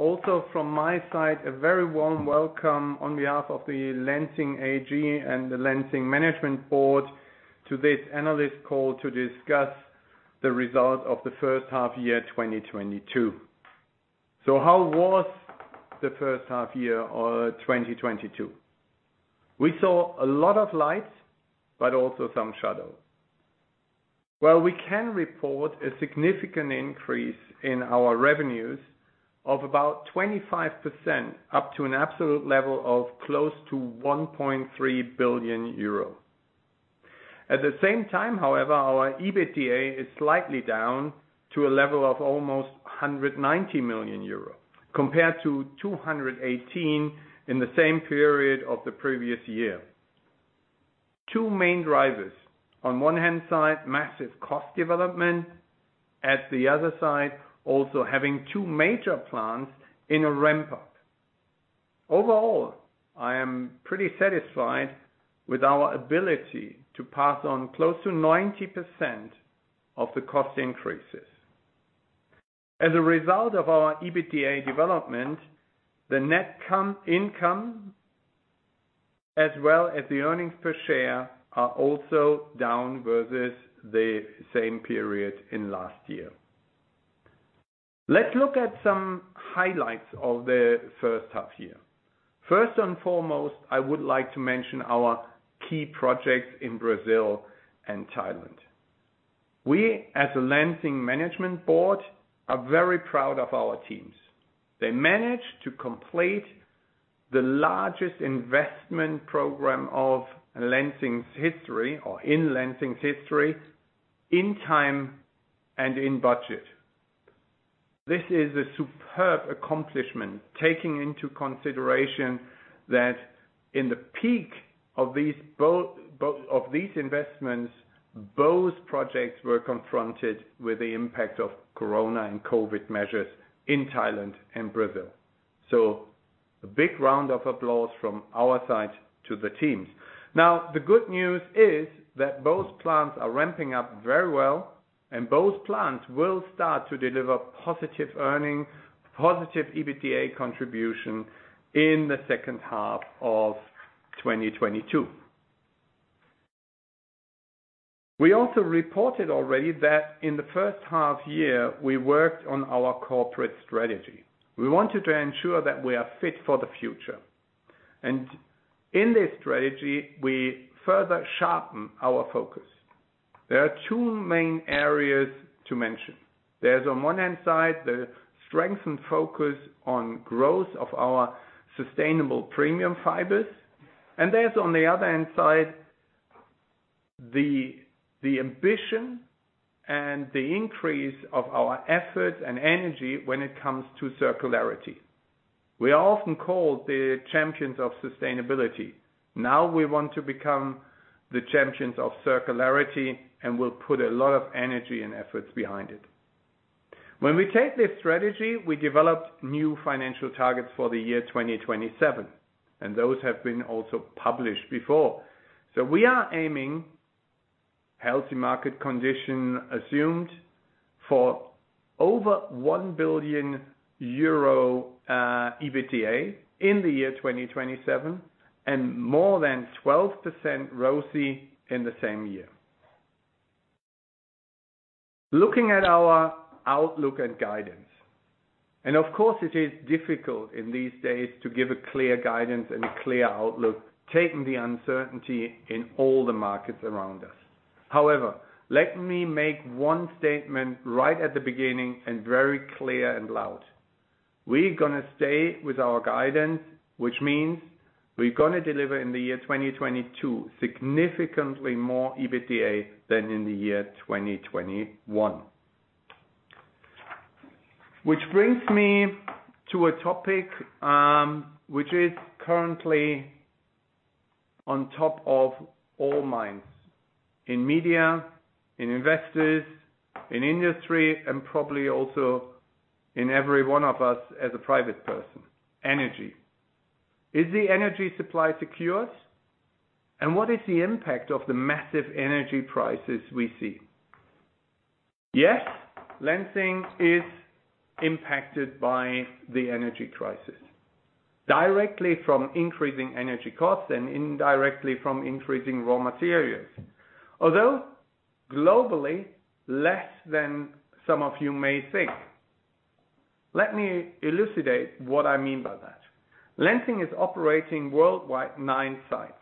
Also from my side, a very warm welcome on behalf of the Lenzing AG and the Lenzing management board to this analyst call to discuss the result of the first half year 2022. How was the first half year of 2022? We saw a lot of light, but also some shadow. Well, we can report a significant increase in our revenues of about 25% up to an absolute level of close to 1.3 billion euro. At the same time, however, our EBITDA is slightly down to a level of almost 190 million euro compared to 218 million in the same period of the previous year. Two main drivers. On one hand side, massive cost development, at the other side, also having two major plants in a ramp-up. Overall, I am pretty satisfied with our ability to pass on close to 90% of the cost increases. As a result of our EBITDA development, the net income as well as the earnings per share are also down versus the same period in last year. Let's look at some highlights of the first half year. First and foremost, I would like to mention our key projects in Brazil and Thailand. We, as a Lenzing management board, are very proud of our teams. They managed to complete the largest investment program of Lenzing's history or in Lenzing's history in time and in budget. This is a superb accomplishment, taking into consideration that in the peak of these both of these investments, both projects were confronted with the impact of corona and COVID measures in Thailand and Brazil. A big round of applause from our side to the teams. Now, the good news is that both plants are ramping up very well, and both plants will start to deliver positive earnings, positive EBITDA contribution in the second half of 2022. We also reported already that in the first half year, we worked on our corporate strategy. We wanted to ensure that we are fit for the future. In this strategy, we further sharpen our focus. There are two main areas to mention. There's on one hand side, the strengthened focus on growth of our sustainable premium fibers, and there's on the other hand side, the ambition and the increase of our effort and energy when it comes to circularity. We are often called the champions of sustainability. Now we want to become the champions of circularity, and we'll put a lot of energy and efforts behind it. When we take this strategy, we developed new financial targets for the year 2027, and those have been also published before. We are aiming healthy market condition assumed for over EUR 1 billion EBITDA in the year 2027 and more than 12% ROCE in the same year. Looking at our outlook and guidance, and of course it is difficult in these days to give a clear guidance and a clear outlook, taking the uncertainty in all the markets around us. However, let me make one statement right at the beginning and very clear and loud. We're gonna stay with our guidance, which means we're gonna deliver in the year 2022 significantly more EBITDA than in the year 2021. Which brings me to a topic, which is currently on top of all minds in media, in investors, in industry, and probably also in every one of us as a private person: energy. Is the energy supply secure? What is the impact of the massive energy prices we see? Yes, Lenzing is impacted by the energy crisis, directly from increasing energy costs and indirectly from increasing raw materials. Although globally, less than some of you may think. Let me elucidate what I mean by that. Lenzing is operating worldwide 9 sites.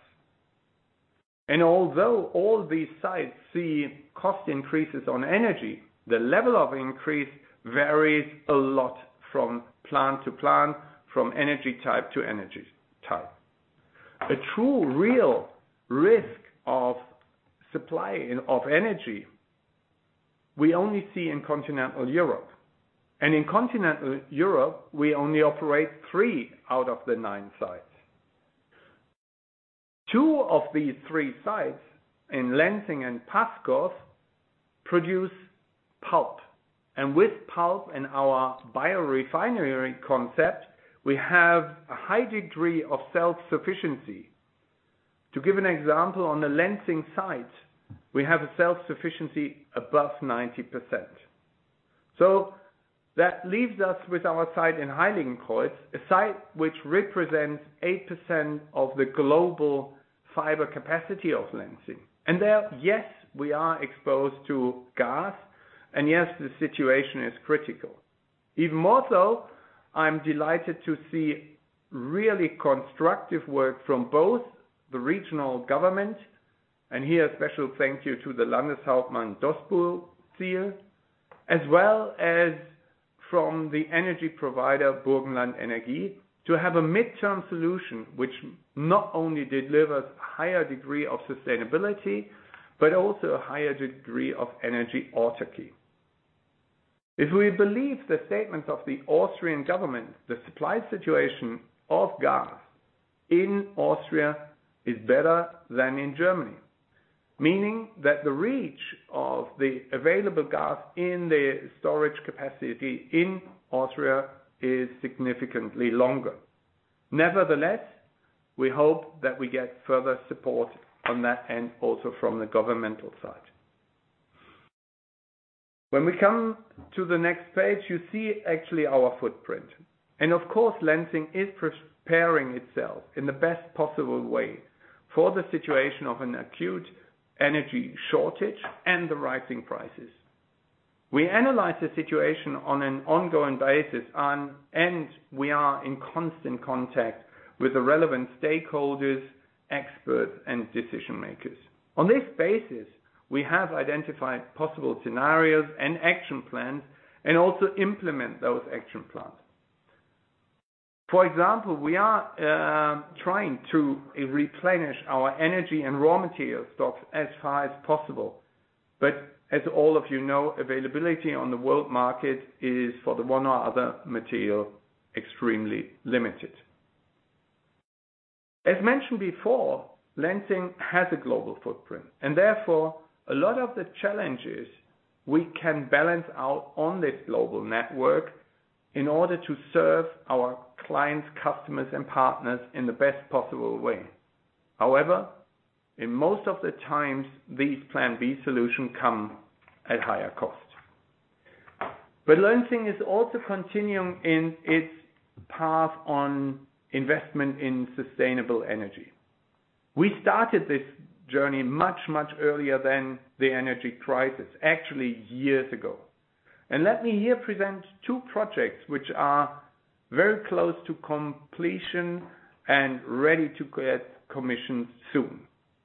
Although all these sites see cost increases on energy, the level of increase varies a lot from plant to plant, from energy type to energy type. A true real risk of supply of energy, we only see in continental EURope. In continental EURope, we only operate 3 out of the 9 sites. Two of these three sites in Lenzing and Pasching produce pulp. With pulp in our biorefinery concept, we have a high degree of self-sufficiency. To give an example, on the Lenzing site, we have a self-sufficiency above 90%. That leaves us with our site in Heiligenkreuz, a site which represents 8% of the global fiber capacity of Lenzing. There, yes, we are exposed to gas, and yes, the situation is critical. Even more so, I'm delighted to see really constructive work from both the regional government, and here a special thank you to the Landeshauptmann Doskozil, as well as from the energy provider, Burgenland Energie, to have a midterm solution which not only delivers higher degree of sustainability, but also a higher degree of energy autarky. If we believe the statements of the Austrian government, the supply situation of gas in Austria is better than in Germany. Meaning that the reach of the available gas in the storage capacity in Austria is significantly longer. Nevertheless, we hope that we get further support on that, and also from the governmental side. When we come to the next page, you see actually our footprint. Of course, Lenzing is preparing itself in the best possible way for the situation of an acute energy shortage and the rising prices. We analyze the situation on an ongoing basis and we are in constant contact with the relevant stakeholders, experts, and decision-makers. On this basis, we have identified possible scenarios and action plans, and also implement those action plans. For example, we are trying to replenish our energy and raw material stocks as high as possible. As all of you know, availability on the world market is, for the one or other material, extremely limited. As mentioned before, Lenzing has a global footprint and therefore, a lot of the challenges we can balance out on this global network in order to serve our clients, customers and partners in the best possible way. However, in most of the times, these plan B solution come at higher cost. Lenzing is also continuing in its path on investment in sustainable energy. We started this journey much, much earlier than the energy crisis, actually years ago. Let me here present two projects which are very close to completion and ready to get commissioned soon.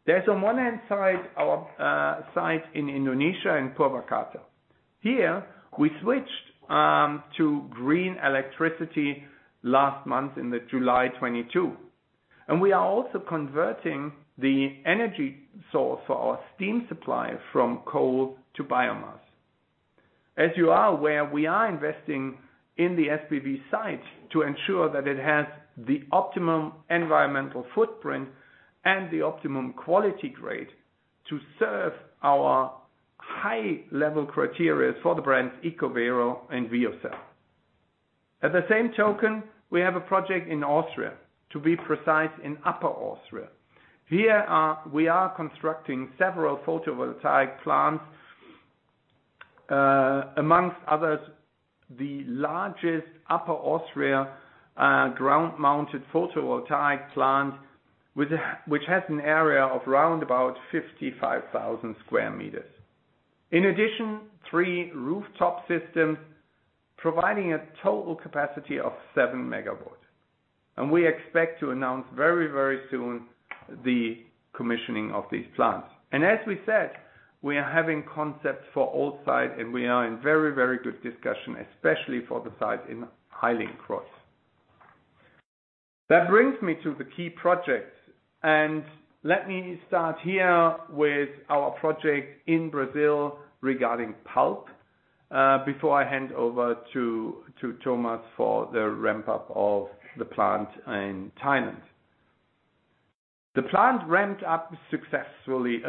There's on one hand side our site in Indonesia, in Purwakarta. We switched to green electricity last month in July 2022, and we are also converting the energy source for our steam supply from coal to biomass. As you are aware, we are investing in the SPV site to ensure that it has the optimum environmental footprint and the optimum quality grade to serve our high level criteria for the brands ECOVERO and VEOCEL. At the same token, we have a project in Austria, to be precise, in Upper Austria. We are constructing several photovoltaic plants, among others, the largest ground-mounted photovoltaic plant in Upper Austria, which has an area of round about 55,000 square meters. In addition, three rooftop systems providing a total capacity of 7 megawatts. We expect to announce very, very soon the commissioning of these plants. As we said, we are having concepts for all sites, and we are in very, very good discussion, especially for the site in Heiligenkreuz. That brings me to the key projects. Let me start here with our project in Brazil regarding pulp, before I hand over to Thomas for the ramp up of the plant in Thailand. The plant ramped up successfully,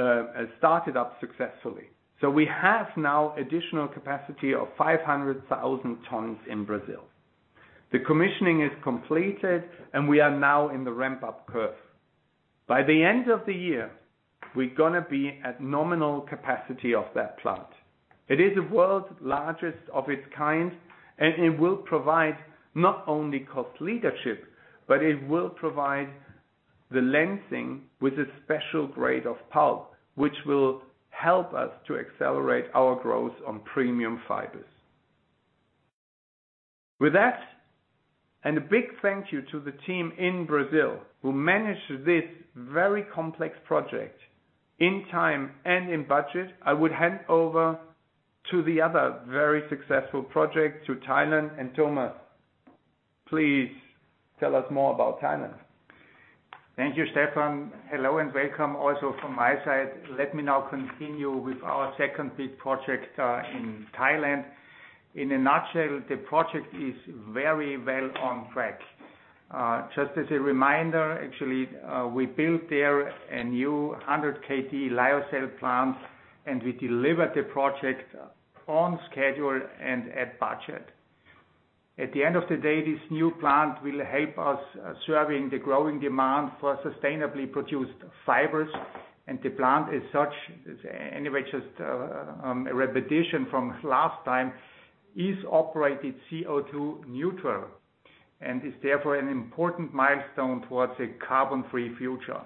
started up successfully. So we have now additional capacity of 500,000 tons in Brazil. The commissioning is completed, and we are now in the ramp up curve. By the end of the year, we're gonna be at nominal capacity of that plant. It is the world's largest of its kind, and it will provide not only cost leadership, but it will provide the Lenzing with a special grade of pulp, which will help us to accelerate our growth on premium fibers. With that, and a big thank you to the team in Brazil who managed this very complex project in time and in budget, I would hand over to the other very successful project to Thailand. Thomas, please tell us more about Thailand. Thank you, Stephan. Hello, and welcome also from my side. Let me now continue with our second big project in Thailand. In a nutshell, the project is very well on track. Just as a reminder, actually, we built there a new 100 KT lyocell plant, and we delivered the project on schedule and at budget. At the end of the day, this new plant will help us serving the growing demand for sustainably produced fibers. The plant is such, anyway, just a repetition from last time, is operated CO2 neutral, and is therefore an important milestone towards a carbon free future.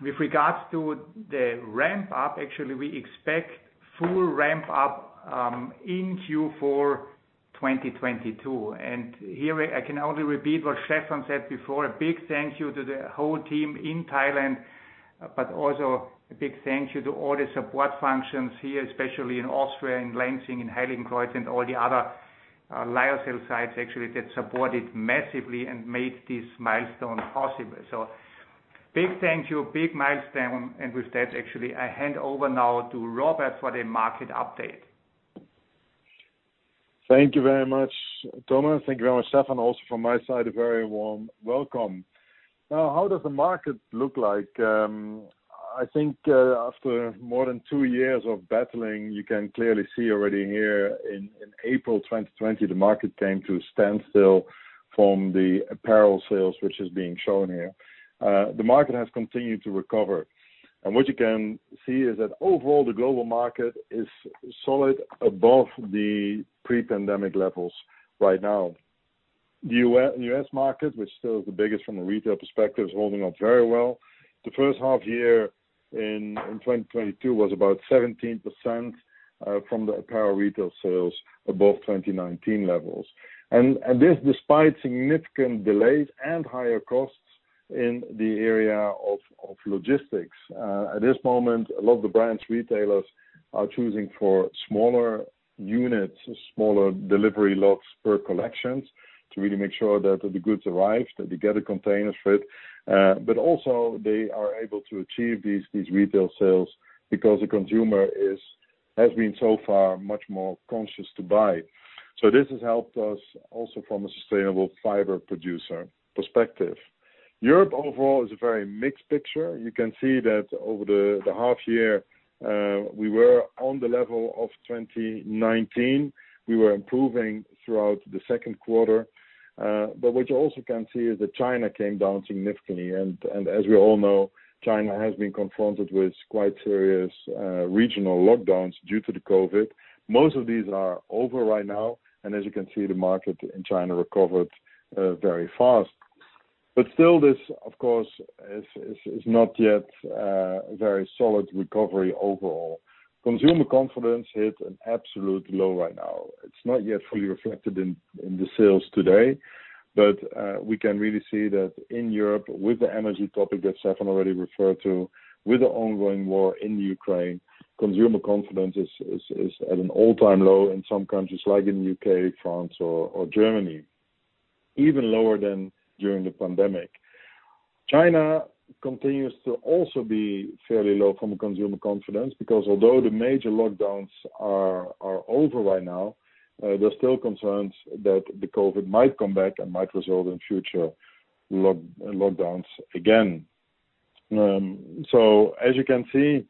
With regards to the ramp up, actually, we expect full ramp up in Q4 2022. Here I can only repeat what Stephan said before, a big thank you to the whole team in Thailand, but also a big thank you to all the support functions here, especially in Austria, in Lenzing, in Heiligenkreuz and all the other lyocell sites actually that supported massively and made this milestone possible. Big thank you, big milestone. With that, actually, I hand over now to Robert for the market update. Thank you very much, Thomas. Thank you very much, Stephan. Also from my side, a very warm welcome. Now, how does the market look like? I think, after more than two years of battling, you can clearly see already here in April 2020, the market came to a standstill from the apparel sales, which is being shown here. The market has continued to recover. What you can see is that overall, the global market is solid above the pre-pandemic levels right now. U.S. market, which still is the biggest from a retail perspective, is holding up very well. The first half year in 2022 was about 17% from the apparel retail sales above 2019 levels. This despite significant delays and higher costs in the area of logistics. At this moment, a lot of the brands, retailers are choosing for smaller units, smaller delivery lots per collections to really make sure that the goods arrive, that they get a container fit, but also they are able to achieve these retail sales because the consumer has been so far much more conscious to buy. This has helped us also from a sustainable fiber producer perspective. EURope overall is a very mixed picture. You can see that over the half year, we were on the level of 2019. We were improving throughout the second quarter. What you also can see is that China came down significantly. As we all know, China has been confronted with quite serious regional lockdowns due to the COVID. Most of these are over right now, and as you can see, the market in China recovered very fast. Still, this, of course, is not yet a very solid recovery overall. Consumer confidence hits an absolute low right now. It's not yet fully reflected in the sales today, but we can really see that in EURope with the energy topic that Stephan already referred to, with the ongoing war in Ukraine, consumer confidence is at an all-time low in some countries like in U.K., France or Germany, even lower than during the pandemic. China continues to also be fairly low from a consumer confidence, because although the major lockdowns are over right now, there's still concerns that the COVID might come back and might result in future lockdowns again. As you can see,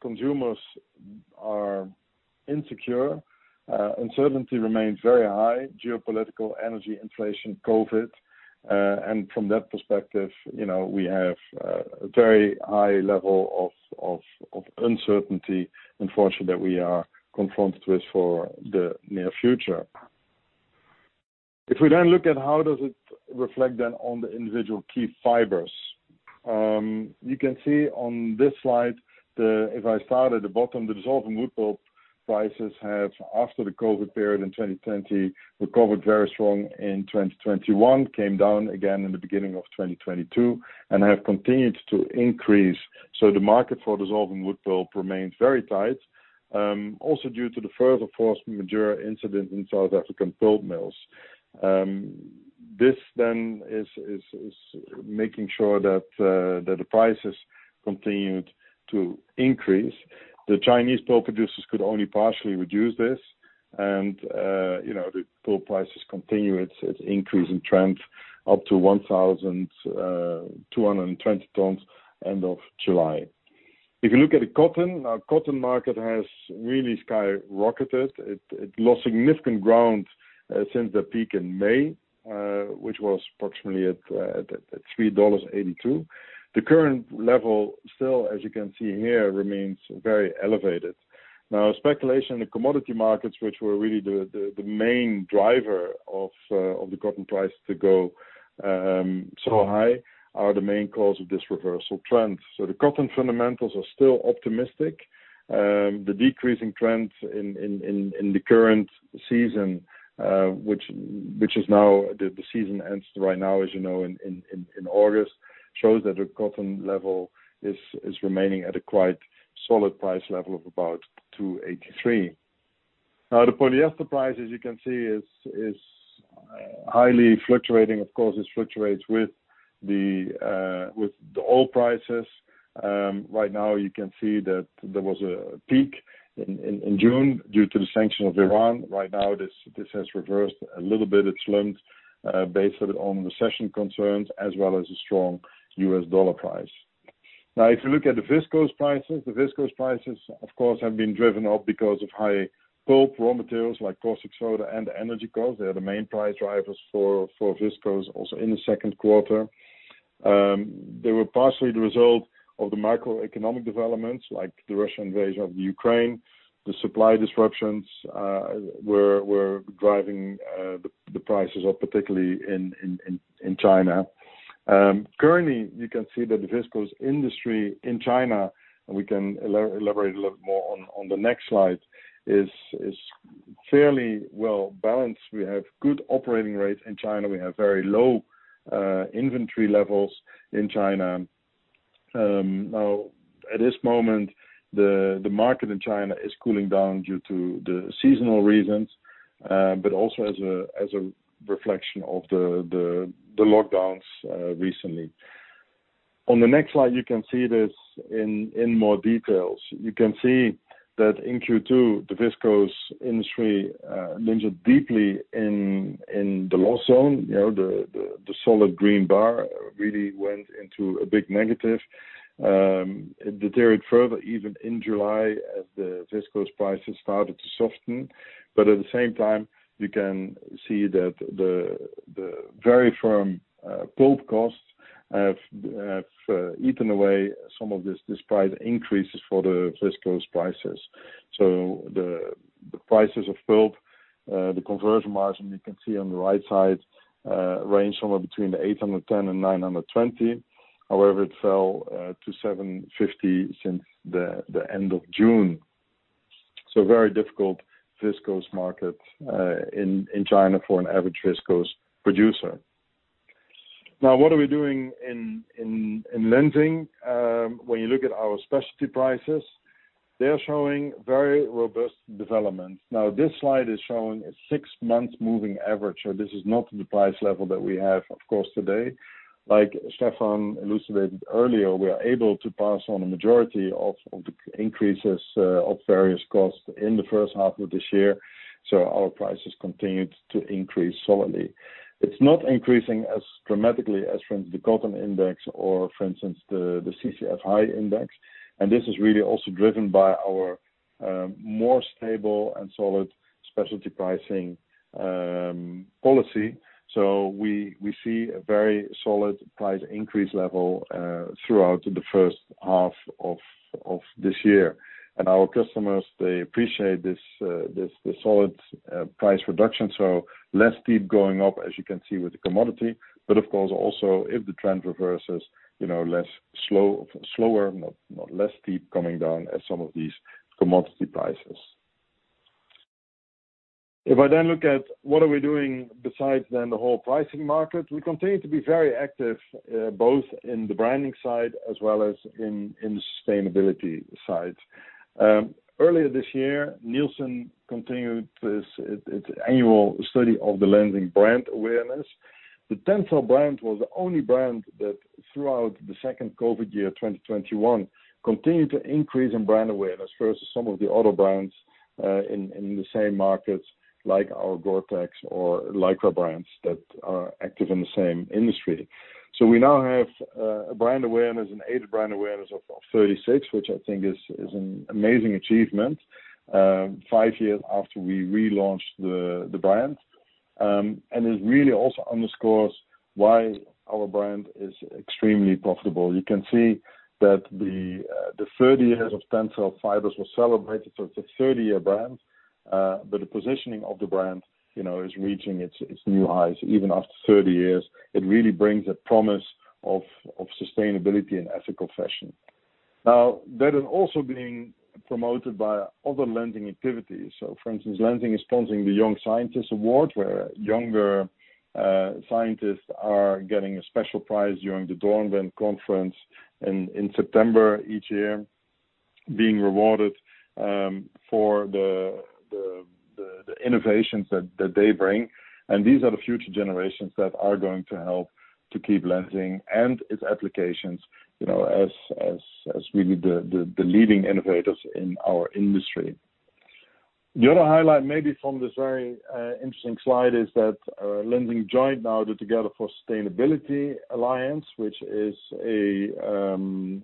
consumers are insecure, uncertainty remains very high, geopolitical, energy, inflation, COVID. From that perspective, you know, we have a very high level of uncertainty, unfortunately, that we are confronted with for the near future. If we then look at how does it reflect then on the individual key fibers, you can see on this slide. If I start at the bottom, the dissolving wood pulp prices have, after the COVID period in 2020, recovered very strong in 2021, came down again in the beginning of 2022, and have continued to increase. The market for dissolving wood pulp remains very tight, also due to the further force majEURe incident in South African pulp mills. This then is making sure that the prices continued to increase. The Chinese pulp producers could only partially reduce this. You know, the pulp prices continue its increase in trend up to $1,220/ton end of July. If you look at the cotton, our cotton market has really skyrocketed. It lost significant ground since the peak in May, which was approximately at $3.82. The current level still, as you can see here, remains very elevated. Now, speculation in the commodity markets, which were really the main driver of the cotton price to go so high, are the main cause of this reversal trend. The cotton fundamentals are still optimistic. The decreasing trend in the current season, which is now the season ends right now, as you know, in August, shows that the cotton level is remaining at a quite solid price level of about 283. Now, the polyester price, as you can see, is highly fluctuating. Of course, it fluctuates with the oil prices. Right now you can see that there was a peak in June due to the sanctions on Iran. Right now, this has reversed. A little bit it slumped based on the recession concerns as well as the strong U.S. dollar. Now, if you look at the viscose prices, of course, they have been driven up because of high pulp raw materials like caustic soda and energy costs. They are the main price drivers for viscose also in the second quarter. They were partially the result of the macroeconomic developments like the Russian invasion of Ukraine. The supply disruptions were driving the prices up, particularly in China. Currently, you can see that the viscose industry in China, and we can elaborate a little more on the next slide, is fairly well balanced. We have good operating rates in China. We have very low inventory levels in China. Now, at this moment, the market in China is cooling down due to the seasonal reasons, but also as a reflection of the lockdowns recently. On the next slide, you can see this in more details. You can see that in Q2, the viscose industry lingered deeply in the loss zone. The solid green bar really went into a big negative. It deteriorated further even in July as the viscose prices started to soften. At the same time, you can see that the very firm pulp costs have eaten away some of this, these price increases for the viscose prices. The prices of pulp, the conversion margin you can see on the right side, range somewhere between 810 and 920. However, it fell to 750 since the end of June. Very difficult viscose market in China for an average viscose producer. Now, what are we doing in Lenzing? When you look at our specialty prices, they are showing very robust developments. Now, this slide is showing a six-month moving average, so this is not the price level that we have, of course, today. Like Stephan elucidated earlier, we are able to pass on a majority of the increases of various costs in the first half of this year, so our prices continued to increase solidly. It's not increasing as dramatically as, for instance, the cotton index or, for instance, the CCF Index, and this is really also driven by our more stable and solid specialty pricing policy. We see a very solid price increase level throughout the first half of this year. Our customers, they appreciate this solid price reduction, so less steep going up, as you can see with the commodity. Of course, also if the trend reverses, you know, slower, not less steep coming down as some of these commodity prices. If I then look at what are we doing besides then the whole pricing market, we continue to be very active both in the branding side as well as in the sustainability side. Earlier this year, Nielsen continued its annual study of the Lenzing brand awareness. The TENCEL™ brand was the only brand that throughout the second COVID year, 2021, continued to increase in brand awareness versus some of the other brands in the same markets like our Gore-Tex or Lycra brands that are active in the same industry. We now have a brand awareness, aided brand awareness of 36, which I think is an amazing achievement 5 years after we relaunched the brand. It really also underscores why our brand is extremely profitable. You can see that the 30 years of TENCEL™ fibers was celebrated. It's a 30-year brand, but the positioning of the brand, you know, is reaching its new highs even after 30 years. It really brings a promise of sustainability and ethical fashion. Now, that is also being promoted by other Lenzing activities. For instance, Lenzing is sponsoring the Lenzing Young Scientist Award, where younger scientists are getting a special prize during the Dornbirn conference in September each year, being rewarded for the innovations that they bring. These are the future generations that are going to help to keep Lenzing and its applications as really the leading innovators in our industry. The other highlight maybe from this very interesting slide is that Lenzing joined now the Together for Sustainability alliance, which is an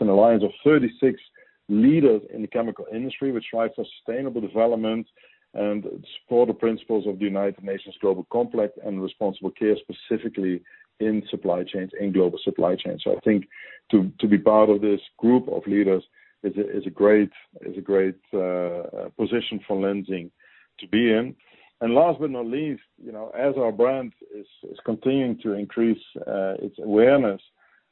alliance of 36 leaders in the chemical industry which strive for sustainable development and support the principles of the United Nations Global Compact and Responsible Care, specifically in supply chains, in global supply chains. I think to be part of this group of leaders is a great position for Lenzing to be in. Last but not least, you know, as our brand is continuing to increase its awareness,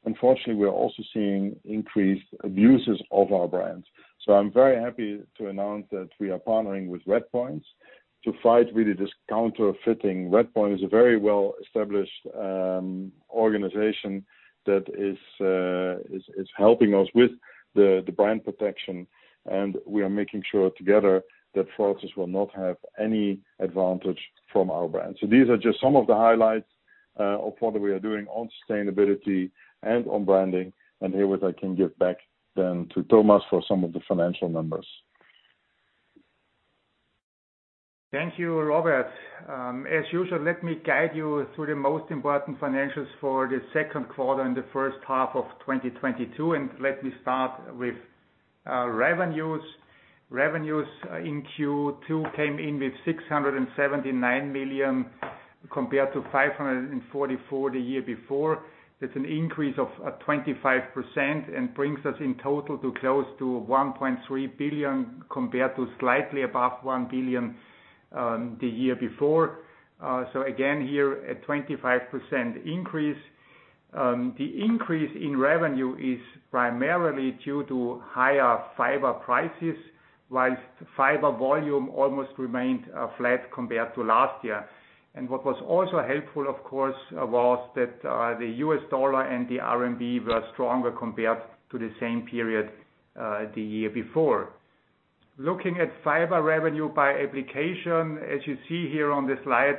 unfortunately, we are also seeing increased abuses of our brands. I'm very happy to announce that we are partnering with Red Points to fight really this counterfeiting. Red Points is a very well-established organization that is helping us with the brand protection, and we are making sure together that fraudsters will not have any advantage from our brand. These are just some of the highlights of what we are doing on sustainability and on branding. Herewith I can give back then to Thomas for some of the financial numbers. Thank you, Robert. As usual, let me guide you through the most important financials for the second quarter and the first half of 2022, and let me start with revenues. Revenues in Q2 came in with 679 million, compared to 544 million the year before. That's an increase of 25% and brings us in total to close to 1.3 billion compared to slightly above 1 billion, the year before. So again here, a 25% increase. The increase in revenue is primarily due to higher fiber prices, while fiber volume almost remained flat compared to last year. What was also helpful, of course, was that the U.S. dollar and the RMB were stronger compared to the same period, the year before. Looking at fiber revenue by application, as you see here on this slide,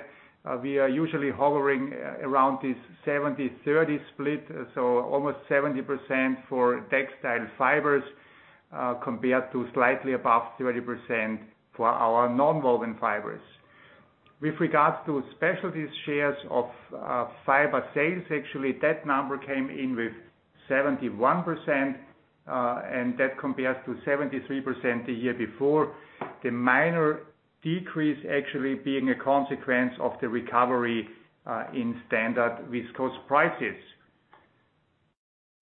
we are usually hovering around this 70-30 split, so almost 70% for textile fibers, compared to slightly above 30% for our nonwoven fibers. With regards to specialties shares of fiber sales, actually, that number came in with 71%, and that compares to 73% the year before. The minor decrease actually being a consequence of the recovery in standard viscose prices.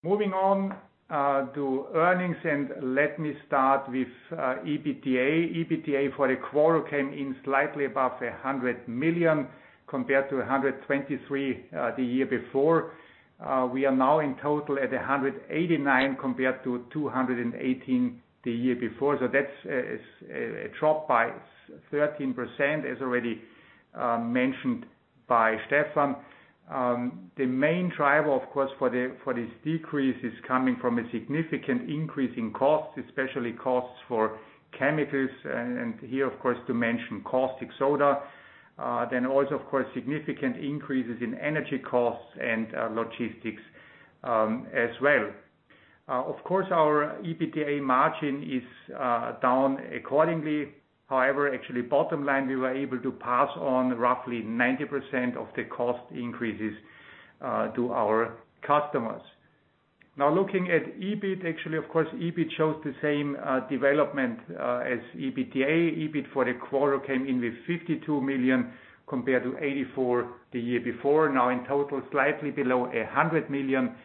Moving on to earnings, let me start with EBITDA. EBITDA for the quarter came in slightly above 100 million compared to 123 million the year before. We are now in total at 189 million, compared to 218 million the year before. That's a drop by 13% as already mentioned by Stephan. The main driver, of course, for this decrease is coming from a significant increase in costs, especially costs for chemicals and here, of course, to mention caustic soda. Then also, of course, significant increases in energy costs and logistics as well. Of course, our EBITDA margin is down accordingly. However, actually bottom line, we were able to pass on roughly 90% of the cost increases to our customers. Now looking at EBIT, actually, of course, EBIT shows the same development as EBITDA. EBIT for the quarter came in with 52 million compared to 84 million the year before. Now in total, slightly below 100 million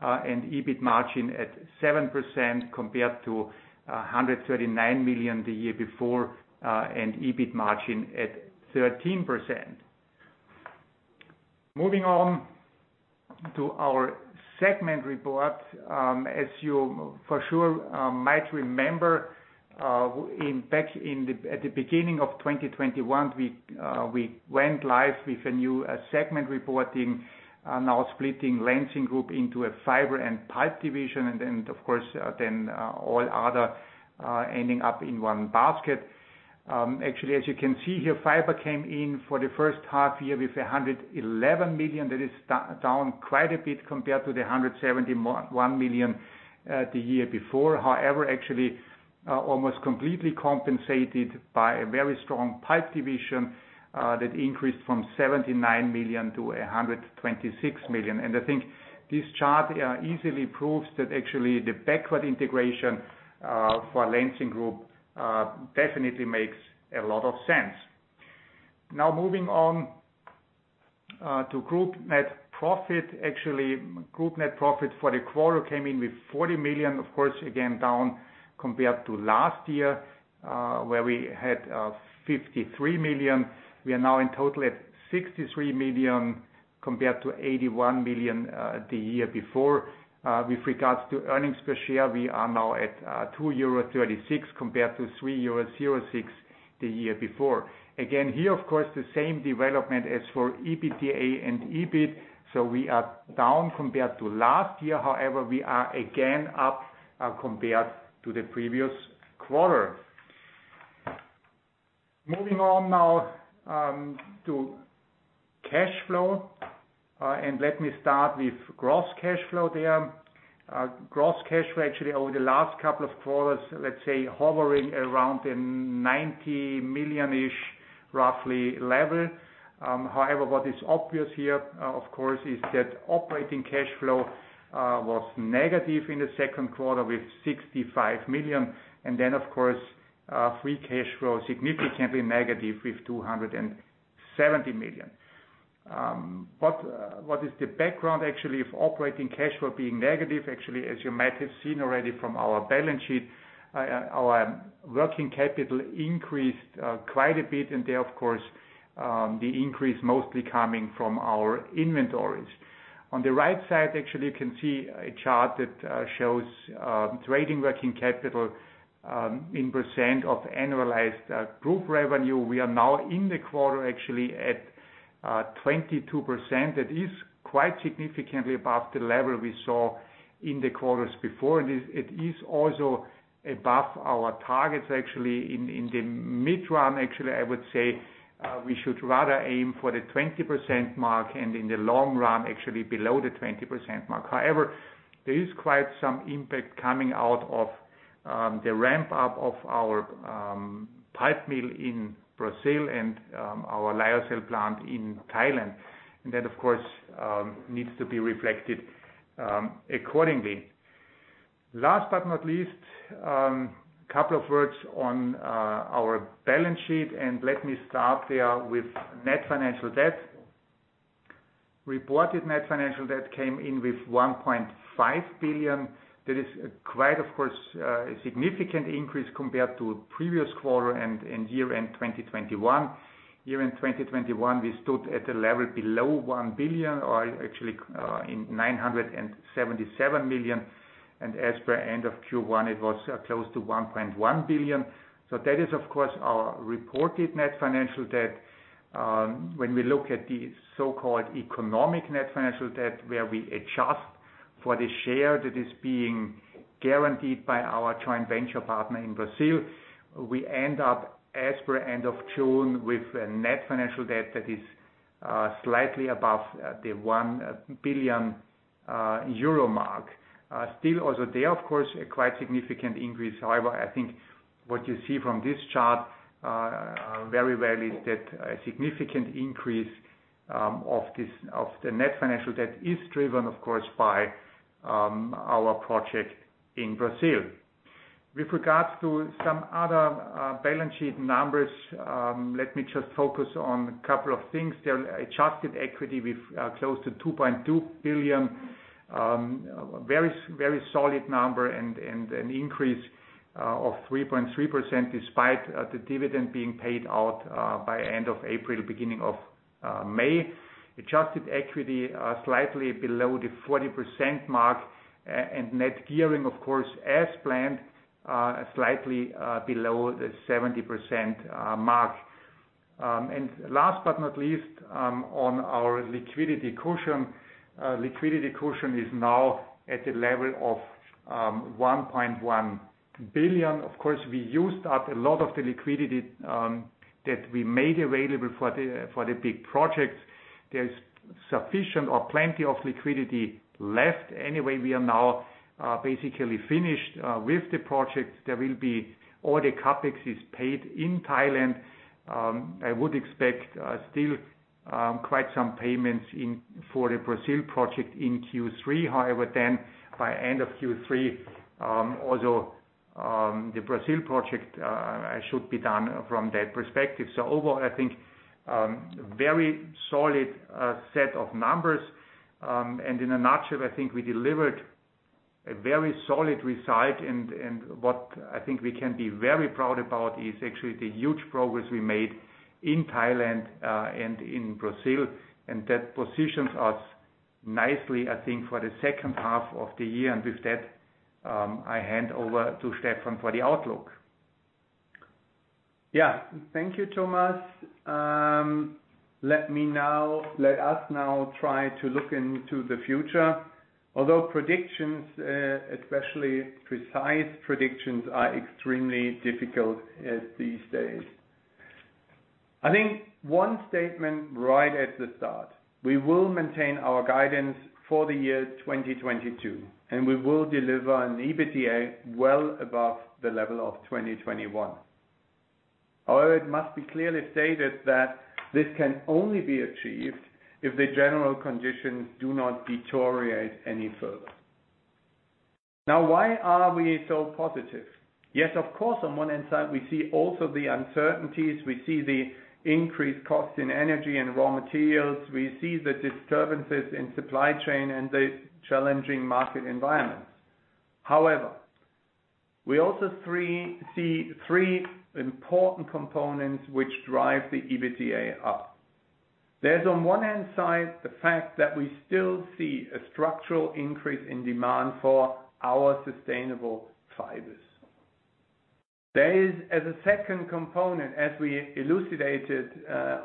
and EBIT margin at 7% compared to 139 million the year before and EBIT margin at 13%. Moving on to our segment report. As you for sure might remember, back at the beginning of 2021, we went live with a new segment reporting, now splitting Lenzing Group into a fiber and Pulp Division. Then, of course, all other ending up in one basket. Actually, as you can see here, fiber came in for the first half year with 111 million. That is down quite a bit compared to 171 million the year before. However, actually, almost completely compensated by a very strong pulp division that increased from 79 million to 126 million. I think this chart easily proves that actually the backward integration for Lenzing Group definitely makes a lot of sense. Now moving on to group net profit. Actually, group net profit for the quarter came in with 40 million, of course, again, down compared to last year, where we had 53 million. We are now in total at 63 million compared to 81 million the year before. With regards to earnings per share, we are now at 2.36 euro compared to 3.06 euro the year before. Again, here, of course, the same development as for EBITDA and EBIT, so we are down compared to last year. However, we are again up compared to the previous quarter. Moving on now to cash flow, and let me start with gross cash flow there. Gross cash flow actually over the last couple of quarters, let's say hovering around the 90 million-ish roughly level. However, what is obvious here, of course, is that operating cash flow was negative in the second quarter with 65 million. Of course, free cash flow, significantly negative with 270 million. What is the background actually of operating cash flow being negative? Actually, as you might have seen already from our balance sheet, our working capital increased quite a bit and there, of course, the increase mostly coming from our inventories. On the right side, actually, you can see a chart that shows trading working capital in % of annualized group revenue. We are now in the quarter actually at 22%. That is quite significantly above the level we saw in the quarters before this. It is also above our targets actually in the mid-run. Actually, I would say we should rather aim for the 20% mark and in the long run, actually below the 20% mark. However, there is quite some impact coming out of the ramp up of our pulp mill in Brazil and our Lyocell plant in Thailand. That of course needs to be reflected accordingly. Last but not least, couple of words on our balance sheet, and let me start there with net financial debt. Reported net financial debt came in with 1.5 billion. That is quite, of course, a significant increase compared to previous quarter and year-end 2021. Year-end 2021, we stood at a level below 1 billion, or actually, in 977 million, and as per end of Q1, it was close to 1.1 billion. That is, of course, our reported net financial debt. When we look at the so-called economic net financial debt, where we adjust for the share that is being guaranteed by our joint venture partner in Brazil, we end up as per end of June with a net financial debt that is slightly above the 1 billion EURo mark. Still also there, of course, a quite significant increase. However, I think what you see from this chart very well is that a significant increase of the net financial debt is driven, of course, by our project in Brazil. With regard to some other balance sheet numbers, let me just focus on a couple of things. The adjusted equity with close to 2.2 billion very solid number and an increase of 3.3% despite the dividend being paid out by end of April, beginning of May. Adjusted equity slightly below the 40% mark. And net gearing of course, as planned, slightly below the 70% mark. And last but not least, on our liquidity cushion, liquidity cushion is now at a level of 1.1 billion. Of course, we used up a lot of the liquidity that we made available for the big projects. There's sufficient or plenty of liquidity left. Anyway, we are now basically finished with the projects. There will be all the CapEx is paid in Thailand. I would expect still quite some payments for the Brazil project in Q3. However, then by end of Q3, also the Brazil project should be done from that perspective. Overall, I think very solid set of numbers. In a nutshell, I think we delivered a very solid result and what I think we can be very proud about is actually the huge progress we made in Thailand and in Brazil. That positions us nicely, I think, for the second half of the year. With that, I hand over to Stephan Sielaff for the outlook. Thank you, Thomas. Let us now try to look into the future. Although predictions, especially precise predictions, are extremely difficult, these days. I think one statement right at the start, we will maintain our guidance for the year 2022, and we will deliver an EBITDA well above the level of 2021. However, it must be clearly stated that this can only be achieved if the general conditions do not deteriorate any further. Now why are we so positive? Yes, of course, on one hand side, we see also the uncertainties. We see the increased costs in energy and raw materials. We see the disturbances in supply chain and the challenging market environments. However, we also see three important components which drive the EBITDA up. There's on one hand side, the fact that we still see a structural increase in demand for our sustainable fibers. There is, as a second component, as we elucidated,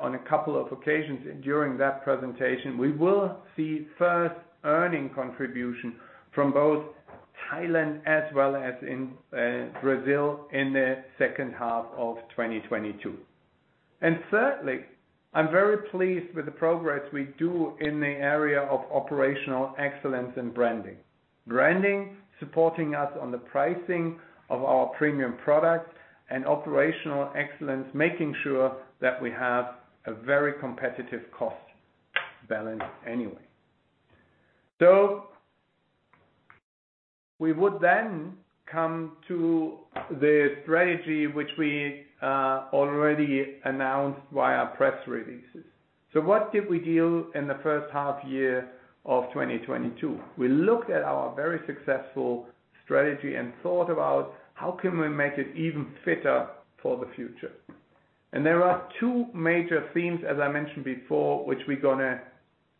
on a couple of occasions during that presentation, we will see first earning contribution from both Thailand as well as in, Brazil in the second half of 2022. And thirdly, I'm very pleased with the progress we do in the area of operational excellence and branding. Branding, supporting us on the pricing of our premium products and operational excellence, making sure that we have a very competitive cost balance anyway. We would then come to the strategy which we, already announced via press releases. What did we do in the first half year of 2022? We looked at our very successful strategy and thought about how can we make it even fitter for the future. There are two major themes, as I mentioned before, which we're gonna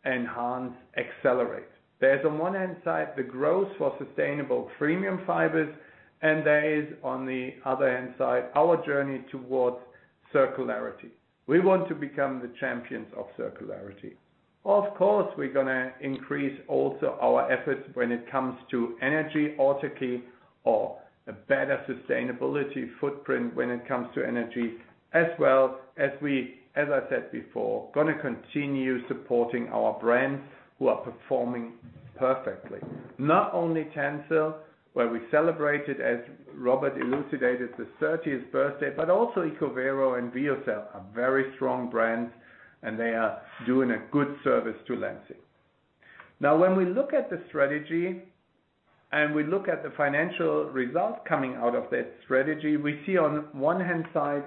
enhance, accelerate. There's on one hand side, the growth for sustainable premium fibers, and there is on the other hand side, our journey towards circularity. We want to become the champions of circularity. Of course, we're gonna increase also our efforts when it comes to energy autarky or a better sustainability footprint when it comes to energy, as well as we, as I said before, gonna continue supporting our brands who are performing perfectly. Not only TENCEL™, where we celebrated, as Robert elucidated, the thirtieth birthday, but also ECOVERO and VEOCEL are very strong brands, and they are doing a good service to Lenzing. Now, when we look at the strategy and we look at the financial results coming out of that strategy, we see on one hand side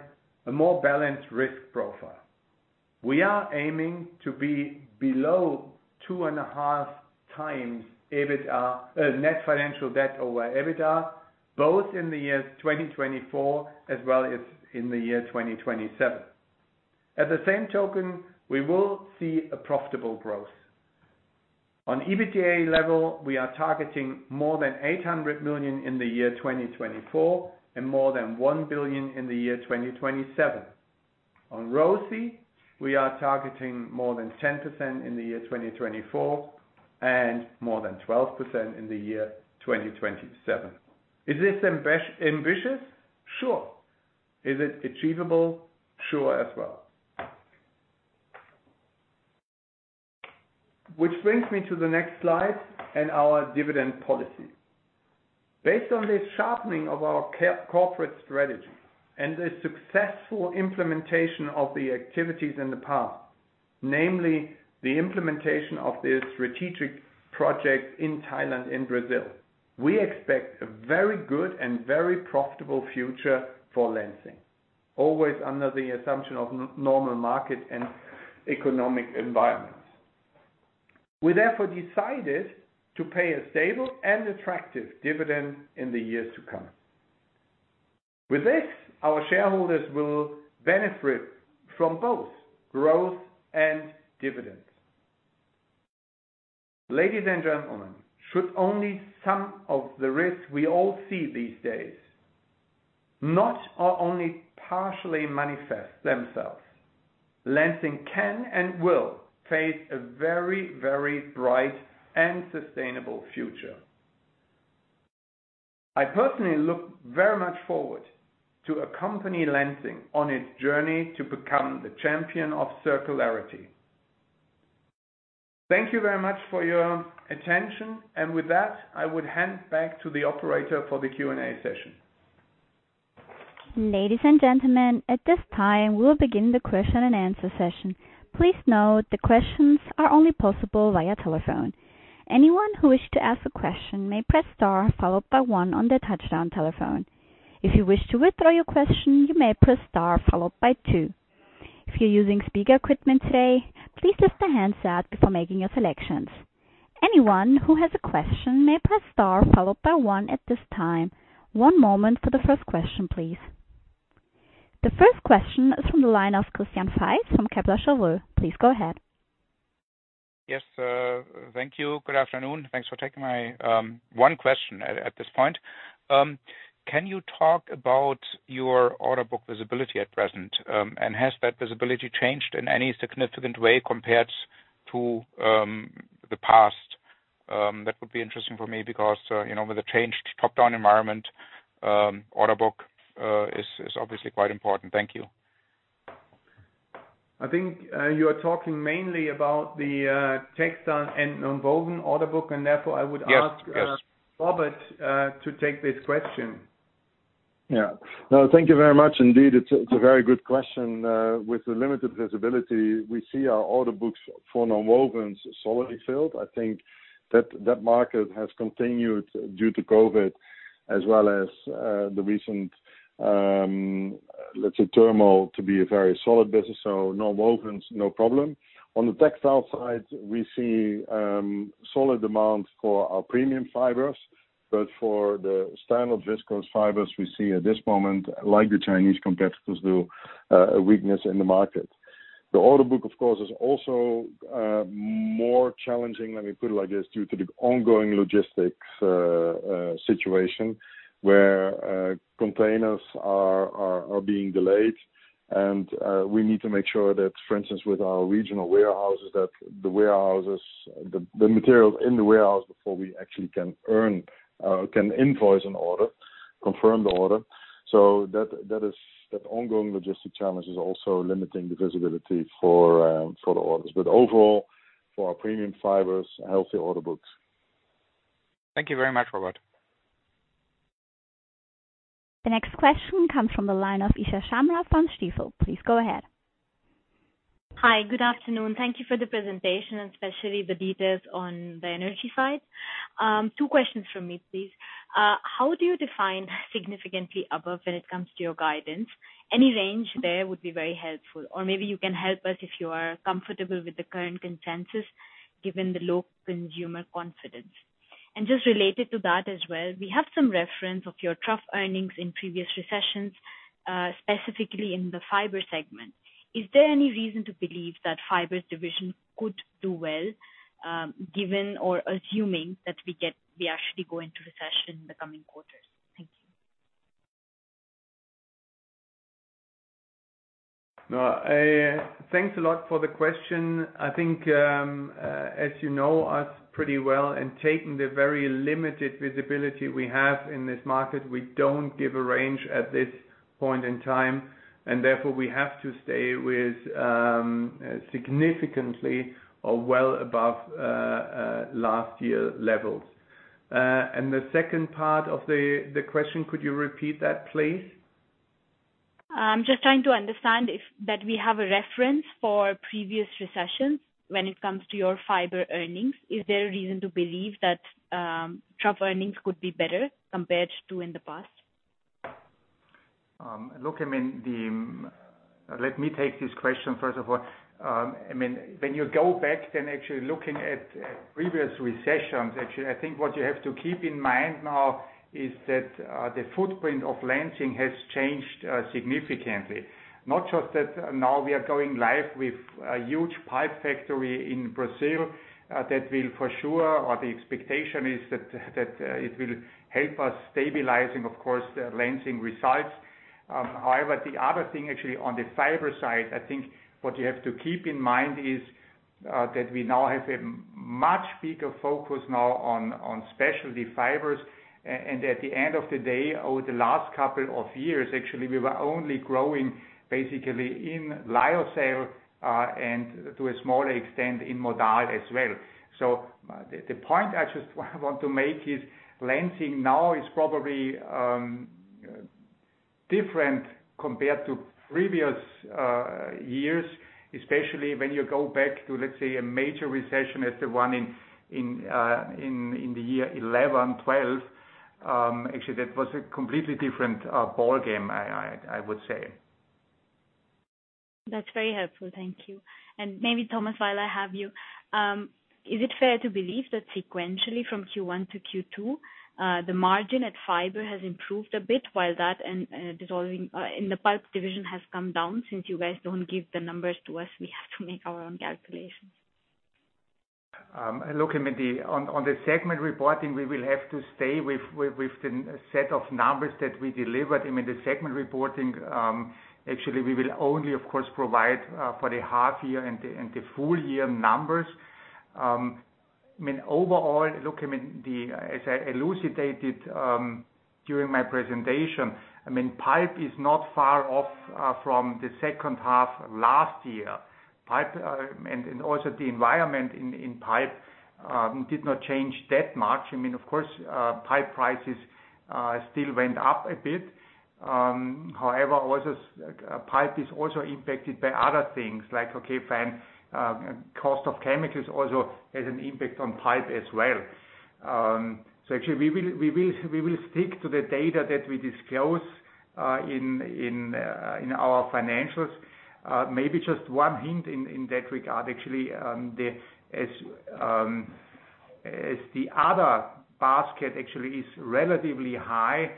a more balanced risk profile. We are aiming to be below 2.5x EBITDA, net financial debt over EBITDA, both in the year 2024 as well as in the year 2027. At the same token, we will see a profitable growth. On EBITDA level, we are targeting more than 800 million in the year 2024 and more than 1 billion in the year 2027. On ROCE, we are targeting more than 10% in the year 2024 and more than 12% in the year 2027. Is this ambitious? Sure. Is it achievable? Sure as well. Which brings me to the next slide and our dividend policy. Based on this sharpening of our corporate strategy and the successful implementation of the activities in the past, namely the implementation of the strategic project in Thailand and Brazil, we expect a very good and very profitable future for Lenzing, always under the assumption of normal market and economic environments. We therefore decided to pay a stable and attractive dividend in the years to come. With this, our shareholders will benefit from both growth and dividends. Ladies and gentlemen, should only some of the risks we all see these days not or only partially manifest themselves, Lenzing can and will face a very, very bright and sustainable future. I personally look very much forward to accompany Lenzing on its journey to become the champion of circularity. Thank you very much for your attention. With that, I would hand back to the operator for the Q&A session. Ladies and gentlemen, at this time, we'll begin the question and answer session. Please note the questions are only possible via telephone. Anyone who wishes to ask a question may press * followed by 1 on their touch-tone telephone. If you wish to withdraw your question, you may press * followed by 2. If you're using speaker equipment today, please lift the handset before making your selections. Anyone who has a question may press * followed by 1 at this time. One moment for the first question, please. The first question is from the line of Christian Faitz from Kepler Cheuvreux. Please go ahead. Yes, thank you. Good afternoon. Thanks for taking my one question at this point. Can you talk about your order book visibility at present? Has that visibility changed in any significant way compared to the past? That would be interesting for me because you know, with the changed top-down environment, order book is obviously quite important. Thank you. I think you are talking mainly about the textile and nonwoven order book, and therefore I would ask- Yes, yes. -Robert, to take this question. No, thank you very much. Indeed, it's a very good question. With the limited visibility, we see our order books for nonwovens solidly filled. I think that market has continued due to COVID as well as the recent, let's say, turmoil to be a very solid business. Nonwovens, no problem. On the textile side, we see solid demand for our premium fibers, but for the standard viscose fibers, we see at this moment, like the Chinese competitors do, a weakness in the market. The order book, of course, is also more challenging, let me put it like this, due to the ongoing logistics situation where containers are being delayed. We need to make sure that, for instance, with our regional warehouses, that the warehouses. The materials in the warehouse before we actually can invoice an order, confirm the order. That ongoing logistic challenge is also limiting the visibility for the orders. Overall, for our premium fibers, healthy order books. Thank you very much, Robert. The next question comes from the line of Isha Sharma from Stifel. Please go ahead. Hi, good afternoon. Thank you for the presentation, especially the details on the energy side. Two questions from me, please. How do you define significantly above when it comes to your guidance? Any range there would be very helpful, or maybe you can help us if you are comfortable with the current consensus, given the low consumer confidence. Just related to that as well, we have some reference of your trough earnings in previous recessions, specifically in the fiber segment. Is there any reason to believe that fibers division could do well, given or assuming that we actually go into recession in the coming quarters? Thank you. No, thanks a lot for the question. I think, as you know us pretty well and taking the very limited visibility we have in this market, we don't give a range at this point in time. Therefore, we have to stay with, significantly or well above, last year levels. The second part of the question, could you repeat that, please? I'm just trying to understand if we have a reference for previous recessions when it comes to your fiber earnings. Is there a reason to believe that trough earnings could be better compared to in the past? Look, I mean, let me take this question, first of all. I mean, when you go back then actually looking at previous recessions, actually, I think what you have to keep in mind now is that the footprint of Lenzing has changed significantly. Not just that now we are going live with a huge pulp plant in Brazil that will for sure, or the expectation is that it will help us stabilizing, of course, the Lenzing results. However, the other thing actually on the fiber side, I think what you have to keep in mind is that we now have a much bigger focus now on specialty fibers. At the end of the day, over the last couple of years, actually, we were only growing basically in Lyocell, and to a smaller extent in modal as well. The point I just want to make is Lenzing now is probably different compared to previous years, especially when you go back to, let's say, a major recession as the one in the year 2011, 2012. Actually, that was a completely different ballgame, I would say. That's very helpful. Thank you. Maybe, Thomas, while I have you, is it fair to believe that sequentially from Q1 to Q2, the margin at fiber has improved a bit while that and dissolving in the Pulp Division has come down? Since you guys don't give the numbers to us, we have to make our own calculations. On the segment reporting, we will have to stay with the set of numbers that we delivered. The segment reporting, actually, we will only, of course, provide for the half year and the full year numbers. As I elucidated during my presentation, pulp is not far off from the second half last year. Pulp and also the environment in pulp did not change that much. Of course, pulp prices still went up a bit. However, also, pulp is also impacted by other things like, okay, fine, cost of chemicals also has an impact on pulp as well. Actually, we will stick to the data that we disclose in our financials. Maybe just one hint in that regard, actually, as the other basket actually is relatively high,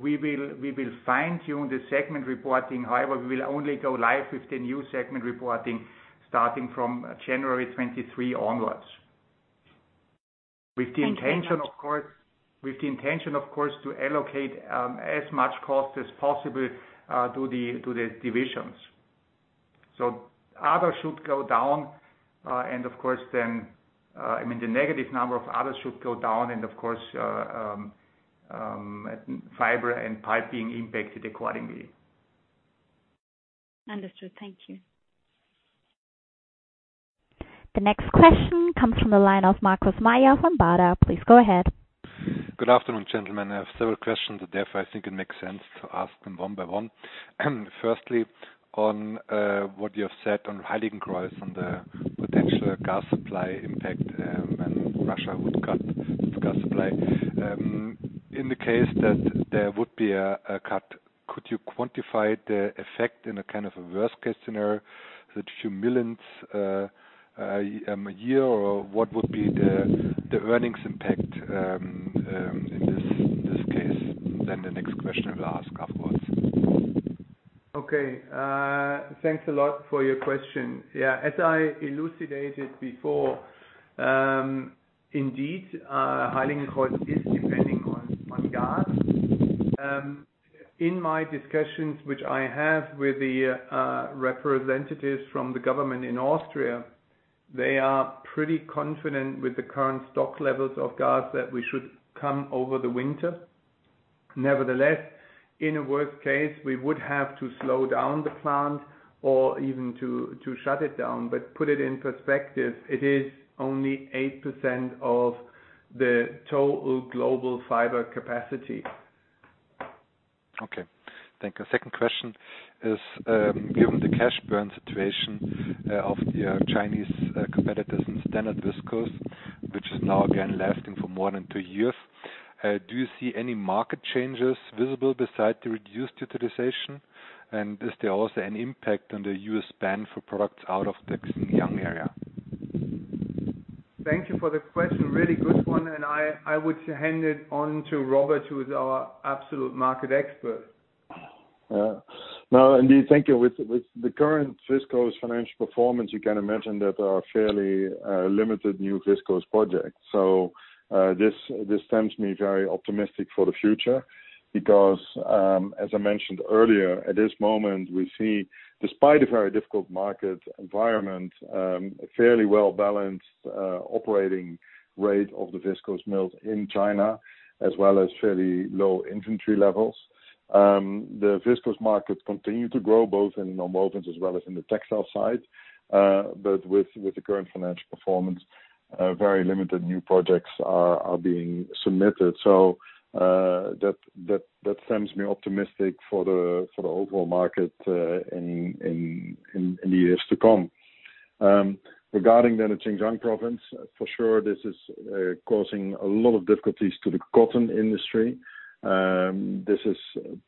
we will fine-tune the segment reporting. However, we will only go live with the new segment reporting starting from January 2023 onwards. Thank you very much. With the intention, of course, to allocate as much cost as possible to the divisions. Other should go down. I mean, the negative number of others should go down and of course, fiber and pulp being impacted accordingly. Understood. Thank you. The next question comes from the line of Markus Mayer from Baader. Please go ahead. Good afternoon, gentlemen. I have several questions, and therefore I think it makes sense to ask them one by one. Firstly, on what you have said on Heiligenkreuz on the potential gas supply impact, and Russia would cut gas supply. In the case that there would be a cut, could you quantify the effect in a kind of a worst-case scenario, the few millions a year, or what would be the earnings impact in this case? The next question I will ask afterwards. Okay. Thanks a lot for your question. As I elucidated before, indeed, Heiligenkreuz is depending on gas. In my discussions which I have with the representatives from the government in Austria, they are pretty confident with the current stock levels of gas that we should come over the winter. Nevertheless, in a worst case, we would have to slow down the plant or even to shut it down. Put it in perspective, it is only 8% of the total global fiber capacity. Okay. Thank you. Second question is, given the cash burn situation of your Chinese competitors in standard viscose, which is now again lasting for more than two years, do you see any market changes visible besides the reduced utilization? And is there also an impact on the U.S. ban for products out of the Xinjiang area? Thank you for the question. Really good one, and I would hand it on to Robert, who is our absolute market expert. No, indeed, thank you. With the current viscose financial performance, you can imagine there are fairly limited new viscose projects. This tends to be very optimistic for the future because as I mentioned earlier, at this moment, we see despite a very difficult market environment a fairly well-balanced operating rate of the viscose mills in China, as well as fairly low inventory levels. The viscose markets continue to grow both in nonwovens as well as in the textile side. With the current financial performance, very limited new projects are being submitted. That makes me optimistic for the overall market in years to come. Regarding the Xinjiang province, for sure, this is causing a lot of difficulties to the cotton industry. This is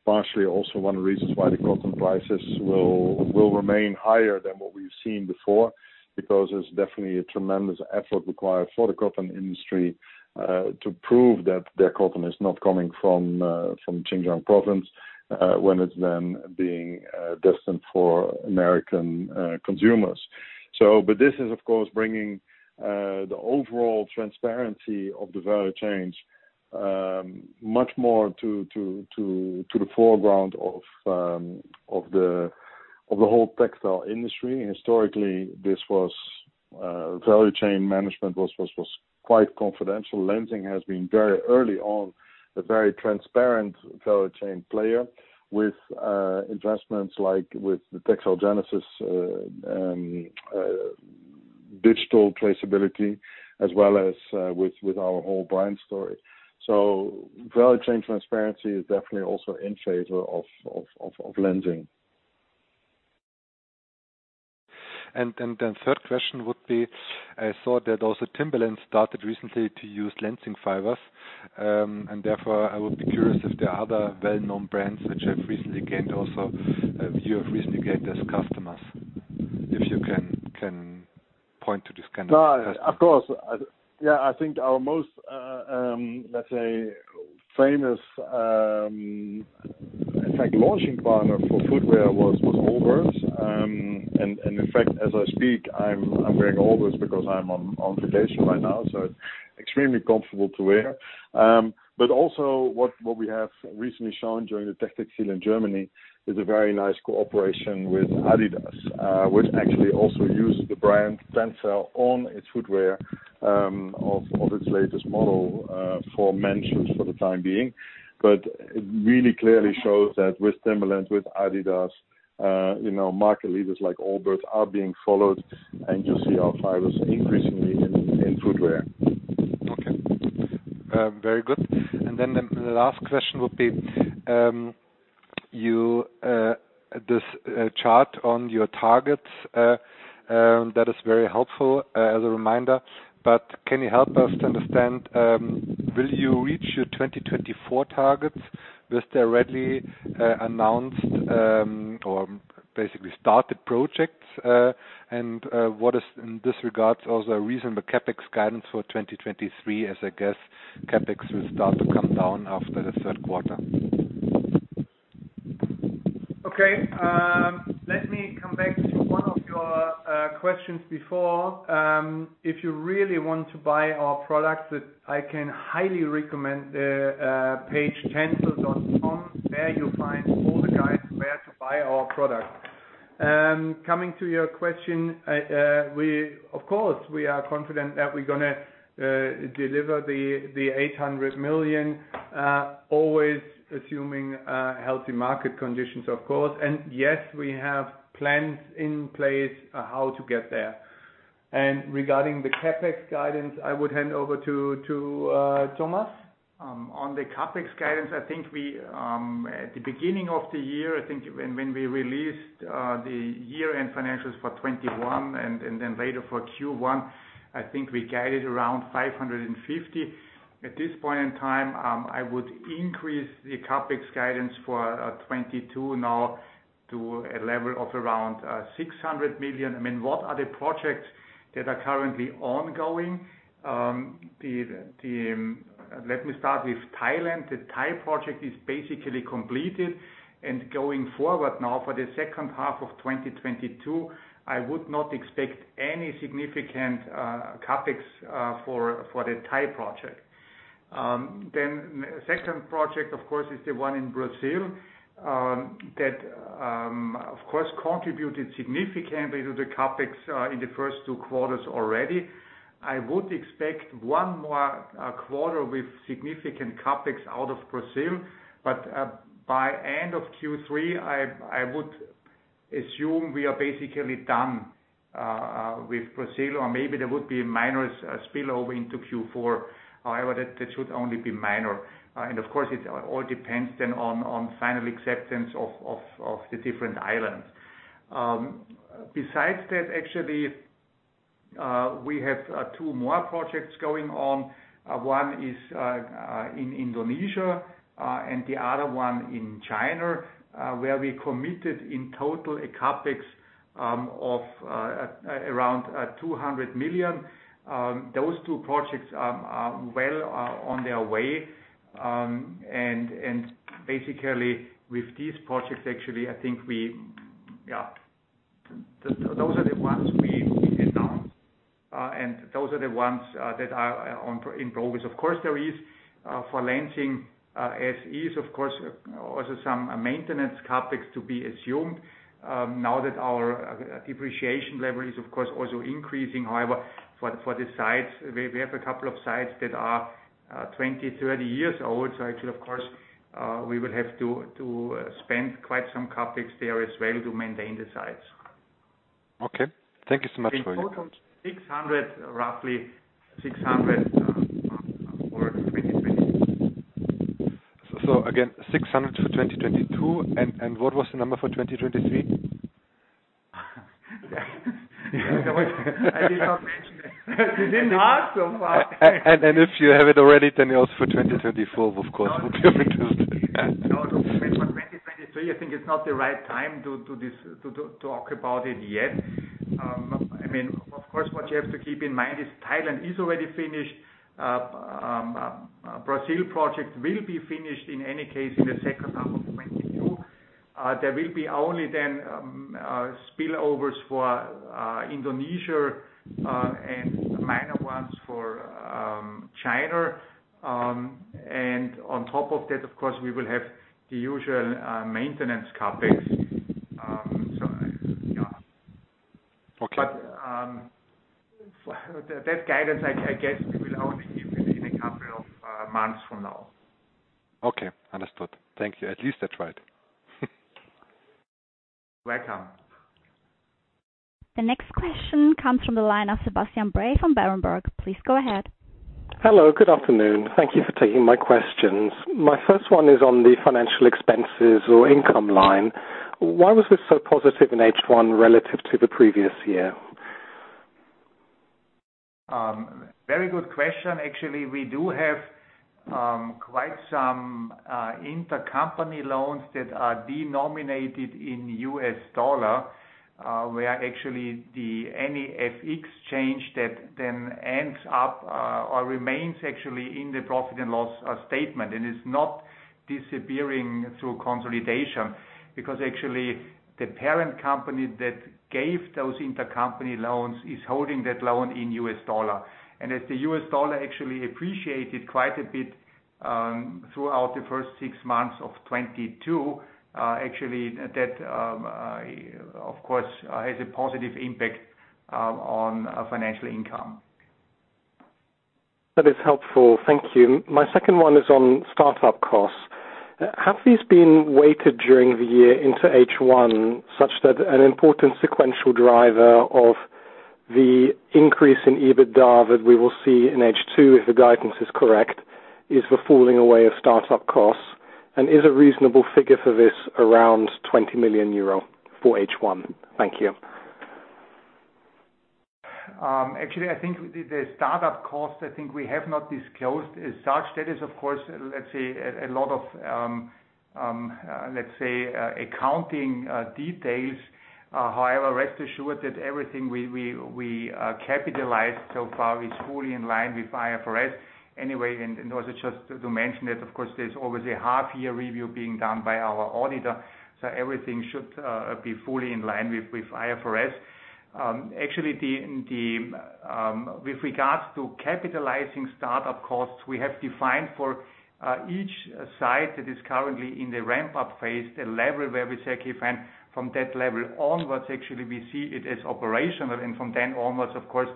partially also one of the reasons why the cotton prices will remain higher than what we've seen before, because there's definitely a tremendous effort required for the cotton industry to prove that their cotton is not coming from Xinjiang province when it's then being destined for American consumers. This is, of course, bringing the overall transparency of the value chains much more to the foreground of the whole textile industry. Historically, value chain management was quite confidential. Lenzing has been very early on a very transparent value chain player with investments like with the TextileGenesis, digital traceability as well as with our whole brand story. Value chain transparency is definitely also in favor of Lenzing. Third question would be, I saw that also Timberland started recently to use Lenzing fibers, and therefore I would be curious if there are other well-known brands you have recently gained as customers, if you can point to this kind of question. Of course., I think our most, let's say, famous, in fact, launching partner for footwear was Allbirds. In fact, as I speak, I'm wearing Allbirds because I'm on vacation right now, so extremely comfortable to wear. But also, what we have recently shown during the Techtextil in Germany is a very nice cooperation with Adidas, which actually also uses the brand TENCEL™™ on its footwear, of its latest model, for men's shoes for the time being. It really clearly shows that with Timberland, with Adidas, you know, market leaders like Allbirds are being followed, and you see our fibers increasingly in footwear. Okay. Very good. The last question would be this chart on your targets that is very helpful as a reminder, but can you help us to understand will you reach your 2024 targets with the readily announced or basically started projects? What is in this regard also a reason the CapEx guidance for 2023 as I guess CapEx will start to come down after the third quarter? Okay. Let me come back to one of your questions before. If you really want to buy our products, I can highly recommend the page tencel.com, where you'll find all the guides where to buy our products. Coming to your question, we of course are confident that we're gonna deliver the 800 million, always assuming healthy market conditions of course. Yes, we have plans in place on how to get there. Regarding the CapEx guidance, I would hand over to Thomas. On the CapEx guidance, I think we at the beginning of the year, I think when we released the year-end financials for 2021 and then later for Q1, I think we guided around 550 million. At this point in time, I would increase the CapEx guidance for 2022 now to a level of around 600 million. I mean, what are the projects that are currently ongoing? Let me start with Thailand. The Thai project is basically completed and going forward now for the second half of 2022, I would not expect any significant CapEx for the Thai project. Second project, of course, is the one in Brazil, that of course contributed significantly to the CapEx in the first two quarters already. I would expect one more quarter with significant CapEx out of Brazil. By end of Q3, I would assume we are basically done with Brazil or maybe there would be a minor spill over into Q4. However, that should only be minor. Of course it all depends then on final acceptance of the different islands. Besides that, actually we have two more projects going on. One is in Indonesia and the other one in China where we committed in total a CapEx of around 200 million. Those two projects are well on their way. Basically with these projects, actually, those are the ones we announced. Those are the ones that are in progress. Of course, there is for Lenzing, as is, of course, also some maintenance CapEx to be assumed, now that our depreciation level is of course also increasing. However, for the sites, we have a couple of sites that are 20, 30 years old. Actually, of course, we will have to spend quite some CapEx there as well to maintain the sites. Okay. Thank you so much for your input. Roughly 600 for 2020. Again, 600 for 2022. What was the number for 2023? I did not. You didn't ask so far. If you have it already, then also for 2024, of course, if you have it too. No, for 2023, I think it's not the right time to talk about it yet. I mean, of course, what you have to keep in mind is Thailand is already finished. Brazil project will be finished in any case in the second half of 2022. There will be only then spillovers for Indonesia, and minor ones for China. On top of that, of course, we will have the usual maintenance CapEx. So, yeah. Okay. That guidance, I guess we'll only see within a couple of months from now. Okay, understood. Thank you. At least I tried. Welcome. The next question comes from the line of Sebastian Bray from Berenberg. Please go ahead. Hello, good afternoon. Thank you for taking my questions. My first one is on the financial expenses or income line. Why was this so positive in H1 relative to the previous year? Very good question. Actually, we do have quite some intercompany loans that are denominated in US dollar, where actually then any FX change that then ends up or remains actually in the profit and loss statement and is not disappearing through consolidation. Because actually the parent company that gave those intercompany loans is holding that loan in U.S. dollar. As the U.S. dollar actually appreciated quite a bit throughout the first six months of 2022, actually that of course has a positive impact on financial income. That is helpful. Thank you. My second one is on start-up costs. Have these been weighted during the year into H1 such that an important sequential driver of the increase in EBITDA that we will see in H2, if the guidance is correct, is the falling away of start-up costs, and is a reasonable figure for this around 20 million euro for H1? Thank you. Actually, I think the start-up costs, I think we have not disclosed as such. That is, of course, let's say a lot of accounting details. However, rest assured that everything we capitalized so far is fully in line with IFRS. Anyway, also just to mention that, of course, there's always a half-year review being done by our auditor, so everything should be fully in line with IFRS. Actually, with regards to capitalizing start-up costs, we have defined for each site that is currently in the ramp-up phase, a level where we say, okay, from that level onwards, actually we see it as operational, and from then onwards, of course,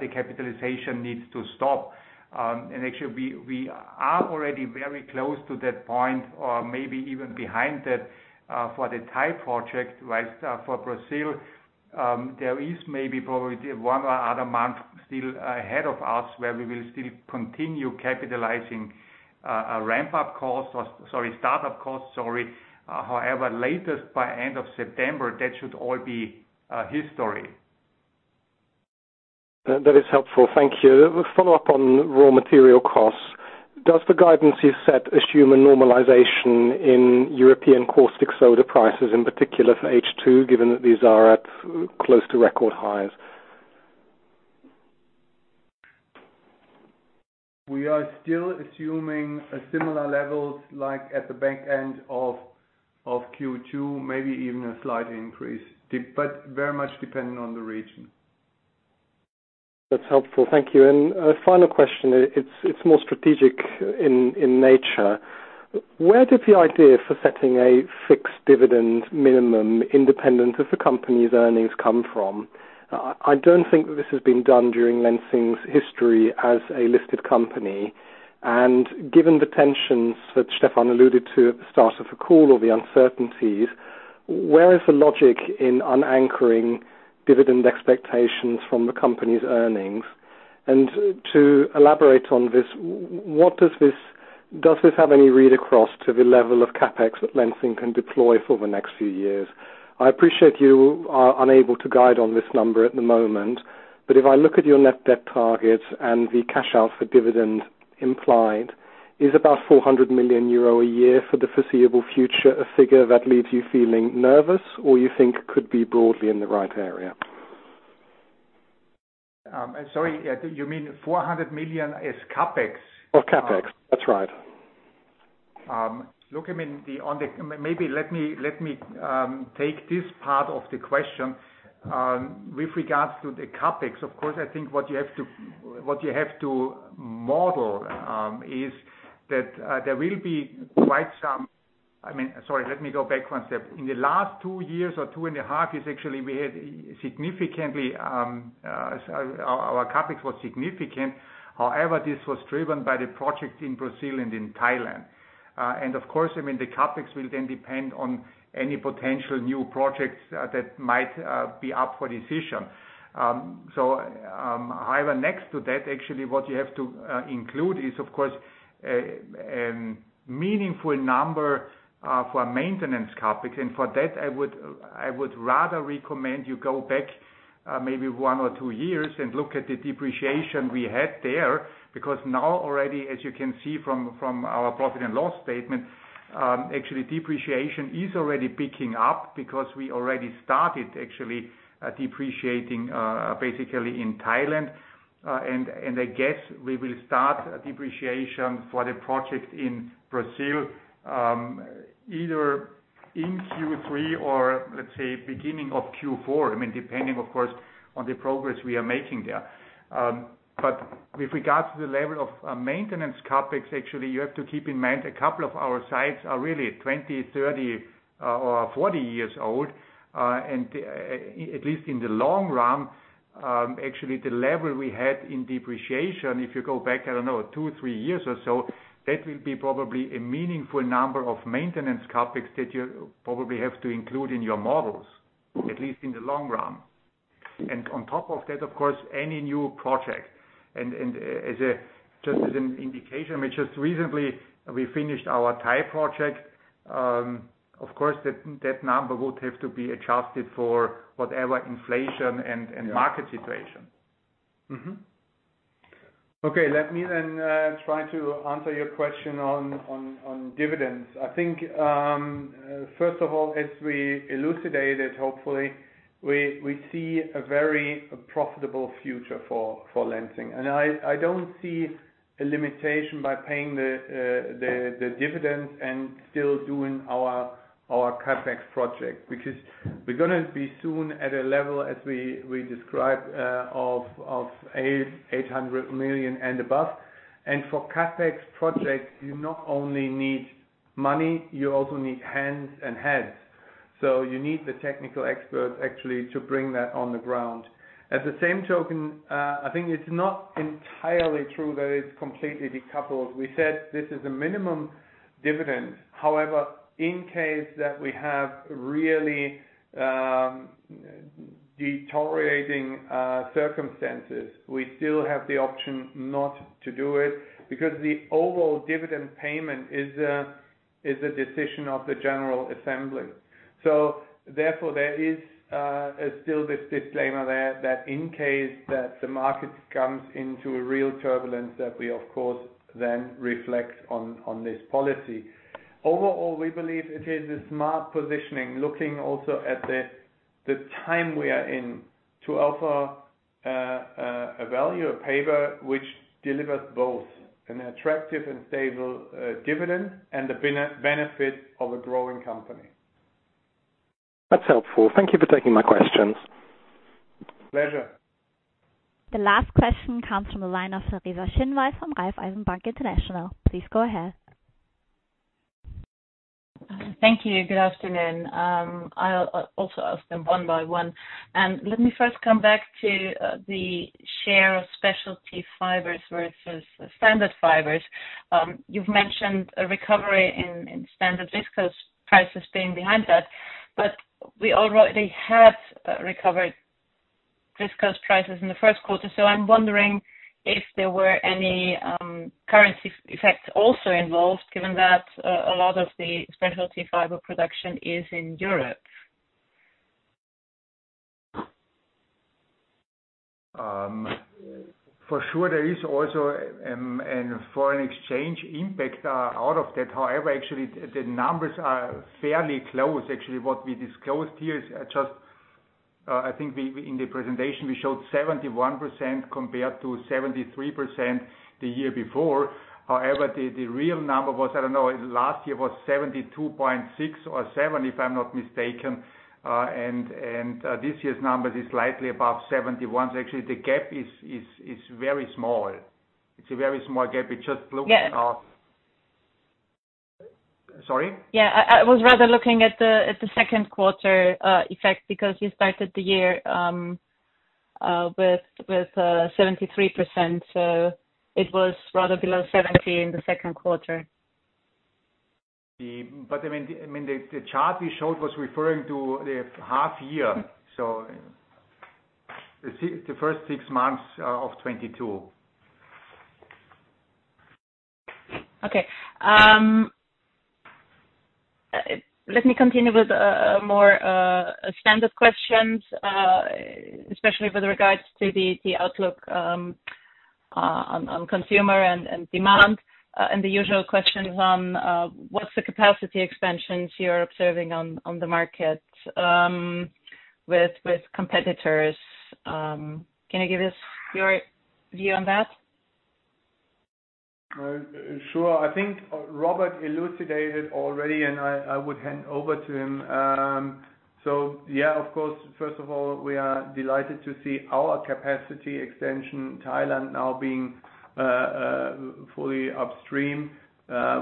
the capitalization needs to stop. Actually we are already very close to that point or maybe even behind it for the Thai project. While for Brazil there is maybe probably one other month still ahead of us where we will still continue capitalizing a ramp-up cost or start-up cost. However, latest by end of September, that should all be history. That is helpful. Thank you. Follow up on raw material costs. Does the guidance you set assume a normalization in EURopean caustic soda prices, in particular for H2, given that these are at close to record highs? We are still assuming a similar levels like at the back end of Q2, maybe even a slight increase, but very much dependent on the region. That's helpful. Thank you. A final question. It's more strategic in nature. Where did the idea for setting a fixed dividend minimum independent of the company's earnings come from? I don't think that this has been done during Lenzing's history as a listed company. Given the tensions that Stephan alluded to at the start of the call or the uncertainties, where is the logic in unanchoring dividend expectations from the company's earnings? To elaborate on this, what does this have any read across to the level of CapEx that Lenzing can deploy for the next few years? I appreciate you are unable to guide on this number at the moment, but if I look at your net debt targets and the cash out for dividend implied is about 400 million euro a year for the foreseeable future, a figure that leaves you feeling nervous or you think could be broadly in the right area? Sorry, you mean 400 million as CapEx? Of CapEx. That's right. Look, I mean, maybe let me take this part of the question with regards to the CapEx. Of course, I think what you have to model is that there will be. I mean, sorry, let me go back one step. In the last 2 years or 2.5 years, actually, we had significantly our CapEx was significant. However, this was driven by the project in Brazil and in Thailand. Of course, I mean, the CapEx will then depend on any potential new projects that might be up for decision. However, next to that, actually what you have to include is of course a meaningful number for maintenance CapEx. For that, I would rather recommend you go back maybe 1 or 2 years and look at the depreciation we had there, because now already, as you can see from our profit and loss statement, actually depreciation is already picking up because we already started actually depreciating basically in Thailand. I guess we will start depreciation for the project in Brazil either in Q3 or let's say beginning of Q4. I mean, depending of course, on the progress we are making there. With regards to the level of maintenance CapEx, actually, you have to keep in mind a couple of our sites are really 20, 30, or 40 years old. At least in the long run, actually the level we had in depreciation, if you go back, I don't know, two, three years or so, that will be probably a meaningful number of maintenance CapEx that you probably have to include in your models, at least in the long run. On top of that, of course, any new project and, just as an indication, we just recently finished our Thai project. Of course, that number would have to be adjusted for whatever inflation and market situation. Okay. Let me try to answer your question on dividends. I think first of all, as we elucidated, hopefully we see a very profitable future for Lenzing. I don't see a limitation by paying the dividends and still doing our CapEx project, because we're gonna be soon at a level, as we described, of 800 million and above. For CapEx projects, you not only need money, you also need hands and heads. You need the technical experts actually to bring that on the ground. At the same time, I think it's not entirely true that it's completely decoupled. We said this is a minimum dividend. However, in case that we have really deteriorating circumstances, we still have the option not to do it because the overall dividend payment is a decision of the general assembly. Therefore there is still this disclaimer there that in case that the market comes into a real turbulence, that we of course then reflect on this policy. Overall, we believe it is a smart positioning, looking also at the time we are in to offer a value paper which delivers both an attractive and stable dividend and the benefit of a growing company. That's helpful. Thank you for taking my questions. Pleasure. The last question comes from the line of Gregor Koppensteiner from Raiffeisen Bank International. Please go ahead. Thank you. Good afternoon. I'll also ask them one by one. Let me first come back to the share of specialty fibers versus standard fibers. You've mentioned a recovery in standard viscose prices being behind that, but we already have recovered viscose prices in the first quarter. I'm wondering if there were any currency effects also involved, given that a lot of the specialty fiber production is in EURope. For sure there is also a foreign exchange impact out of that. Actually the numbers are fairly close. Actually, what we disclosed here is just, I think we, in the presentation, we showed 71% compared to 73% the year before. The real number was, I don't know, last year was 72.6 or 7, if I'm not mistaken. This year's number is slightly above 71. Actually the gap is very small. It's a very small gap. It just looks. Sorry? I was rather looking at the second quarter effect because you started the year with 73%. It was rather below 70% in the second quarter. I mean, the chart we showed was referring to the half year. The first six months of 2022. Okay. Let me continue with more standard questions, especially with regards to the outlook on consumer and demand, and the usual questions on what's the capacity expansions you're observing on the market with competitors. Can you give us your view on that? Sure. I think Robert elucidated already, and I would hand over to him., of course, first of all, we are delighted to see our capacity extension, Thailand now being fully upstream.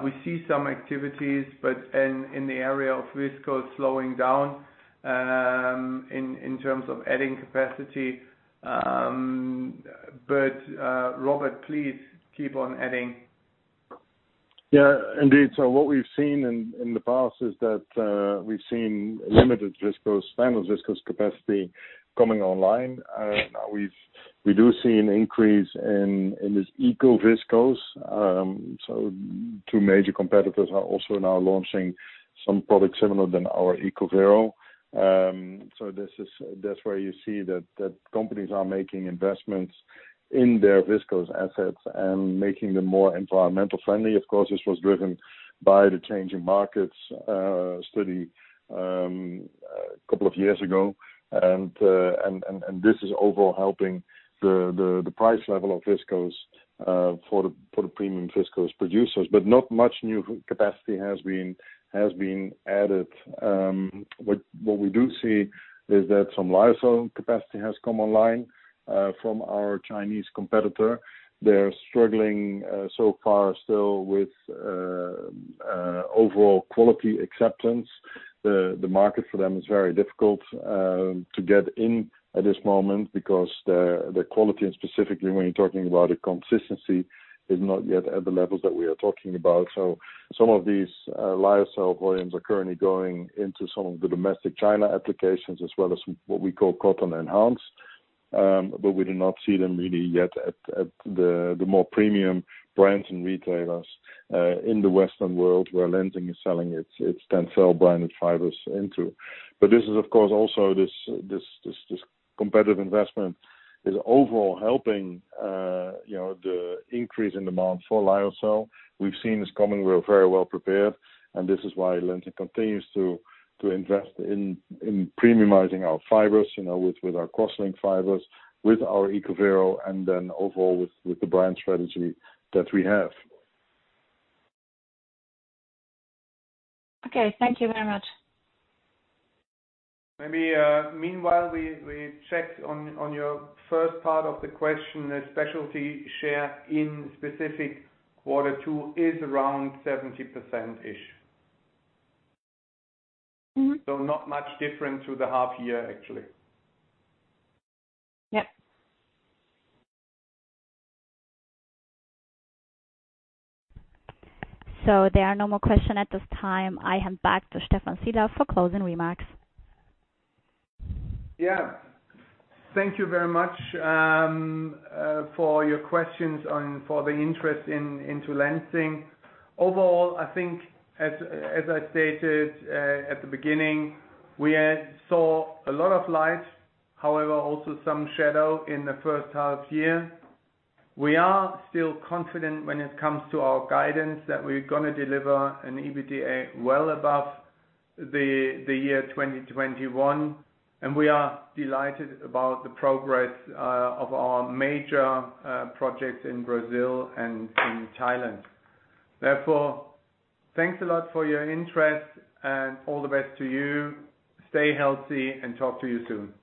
We see some activities, but in the area of viscose slowing down in terms of adding capacity. Robert, please keep on adding. Indeed. What we've seen in the past is that we've seen limited viscose, standard viscose capacity coming online. Now we do see an increase in this ECOVERO. Two major competitors are also now launching some products similar to our ECOVERO. That's where you see that companies are making investments in their viscose assets and making them more environmentally friendly. Of course, this was driven by the change in market studies a couple of years ago. This is overall helping the price level of viscose for the premium viscose producers. Not much new capacity has been added. What we do see is that some Lyocell capacity has come online from our Chinese competitor. They're struggling so far still with overall quality acceptance. The market for them is very difficult to get in at this moment because the quality, and specifically when you're talking about the consistency, is not yet at the levels that we are talking about. Some of these lyocell volumes are currently going into some of the domestic China applications as well as what we call cotton enhanced. We do not see them really yet at the more premium brands and retailers in the Western world where Lenzing is selling its TENCEL™ branded fibers into. This is of course also this competitive investment is overall helping you know the increase in demand for lyocell. We've seen this coming. We're very well prepared, and this is why Lenzing continues to invest in premiumizing our fibers, you know, with our crosslinked fibers, with our ECOVERO, and then overall with the brand strategy that we have. Okay, thank you very much. Maybe, meanwhile, we checked on your first part of the question, the specialty share in specific quarter two is around 70%-ish. Not much different to the half year, actually. There are no more questions at this time. I hand back to Stephan Sielaff for closing remarks. Thank you very much for your questions and for the interest into Lenzing. Overall, I think as I stated at the beginning, we saw a lot of light, however, also some shadow in the first half year. We are still confident when it comes to our guidance that we're gonna deliver an EBITDA well above the year 2021, and we are delighted about the progress of our major projects in Brazil and in Thailand. Therefore, thanks a lot for your interest and all the best to you. Stay healthy and talk to you soon.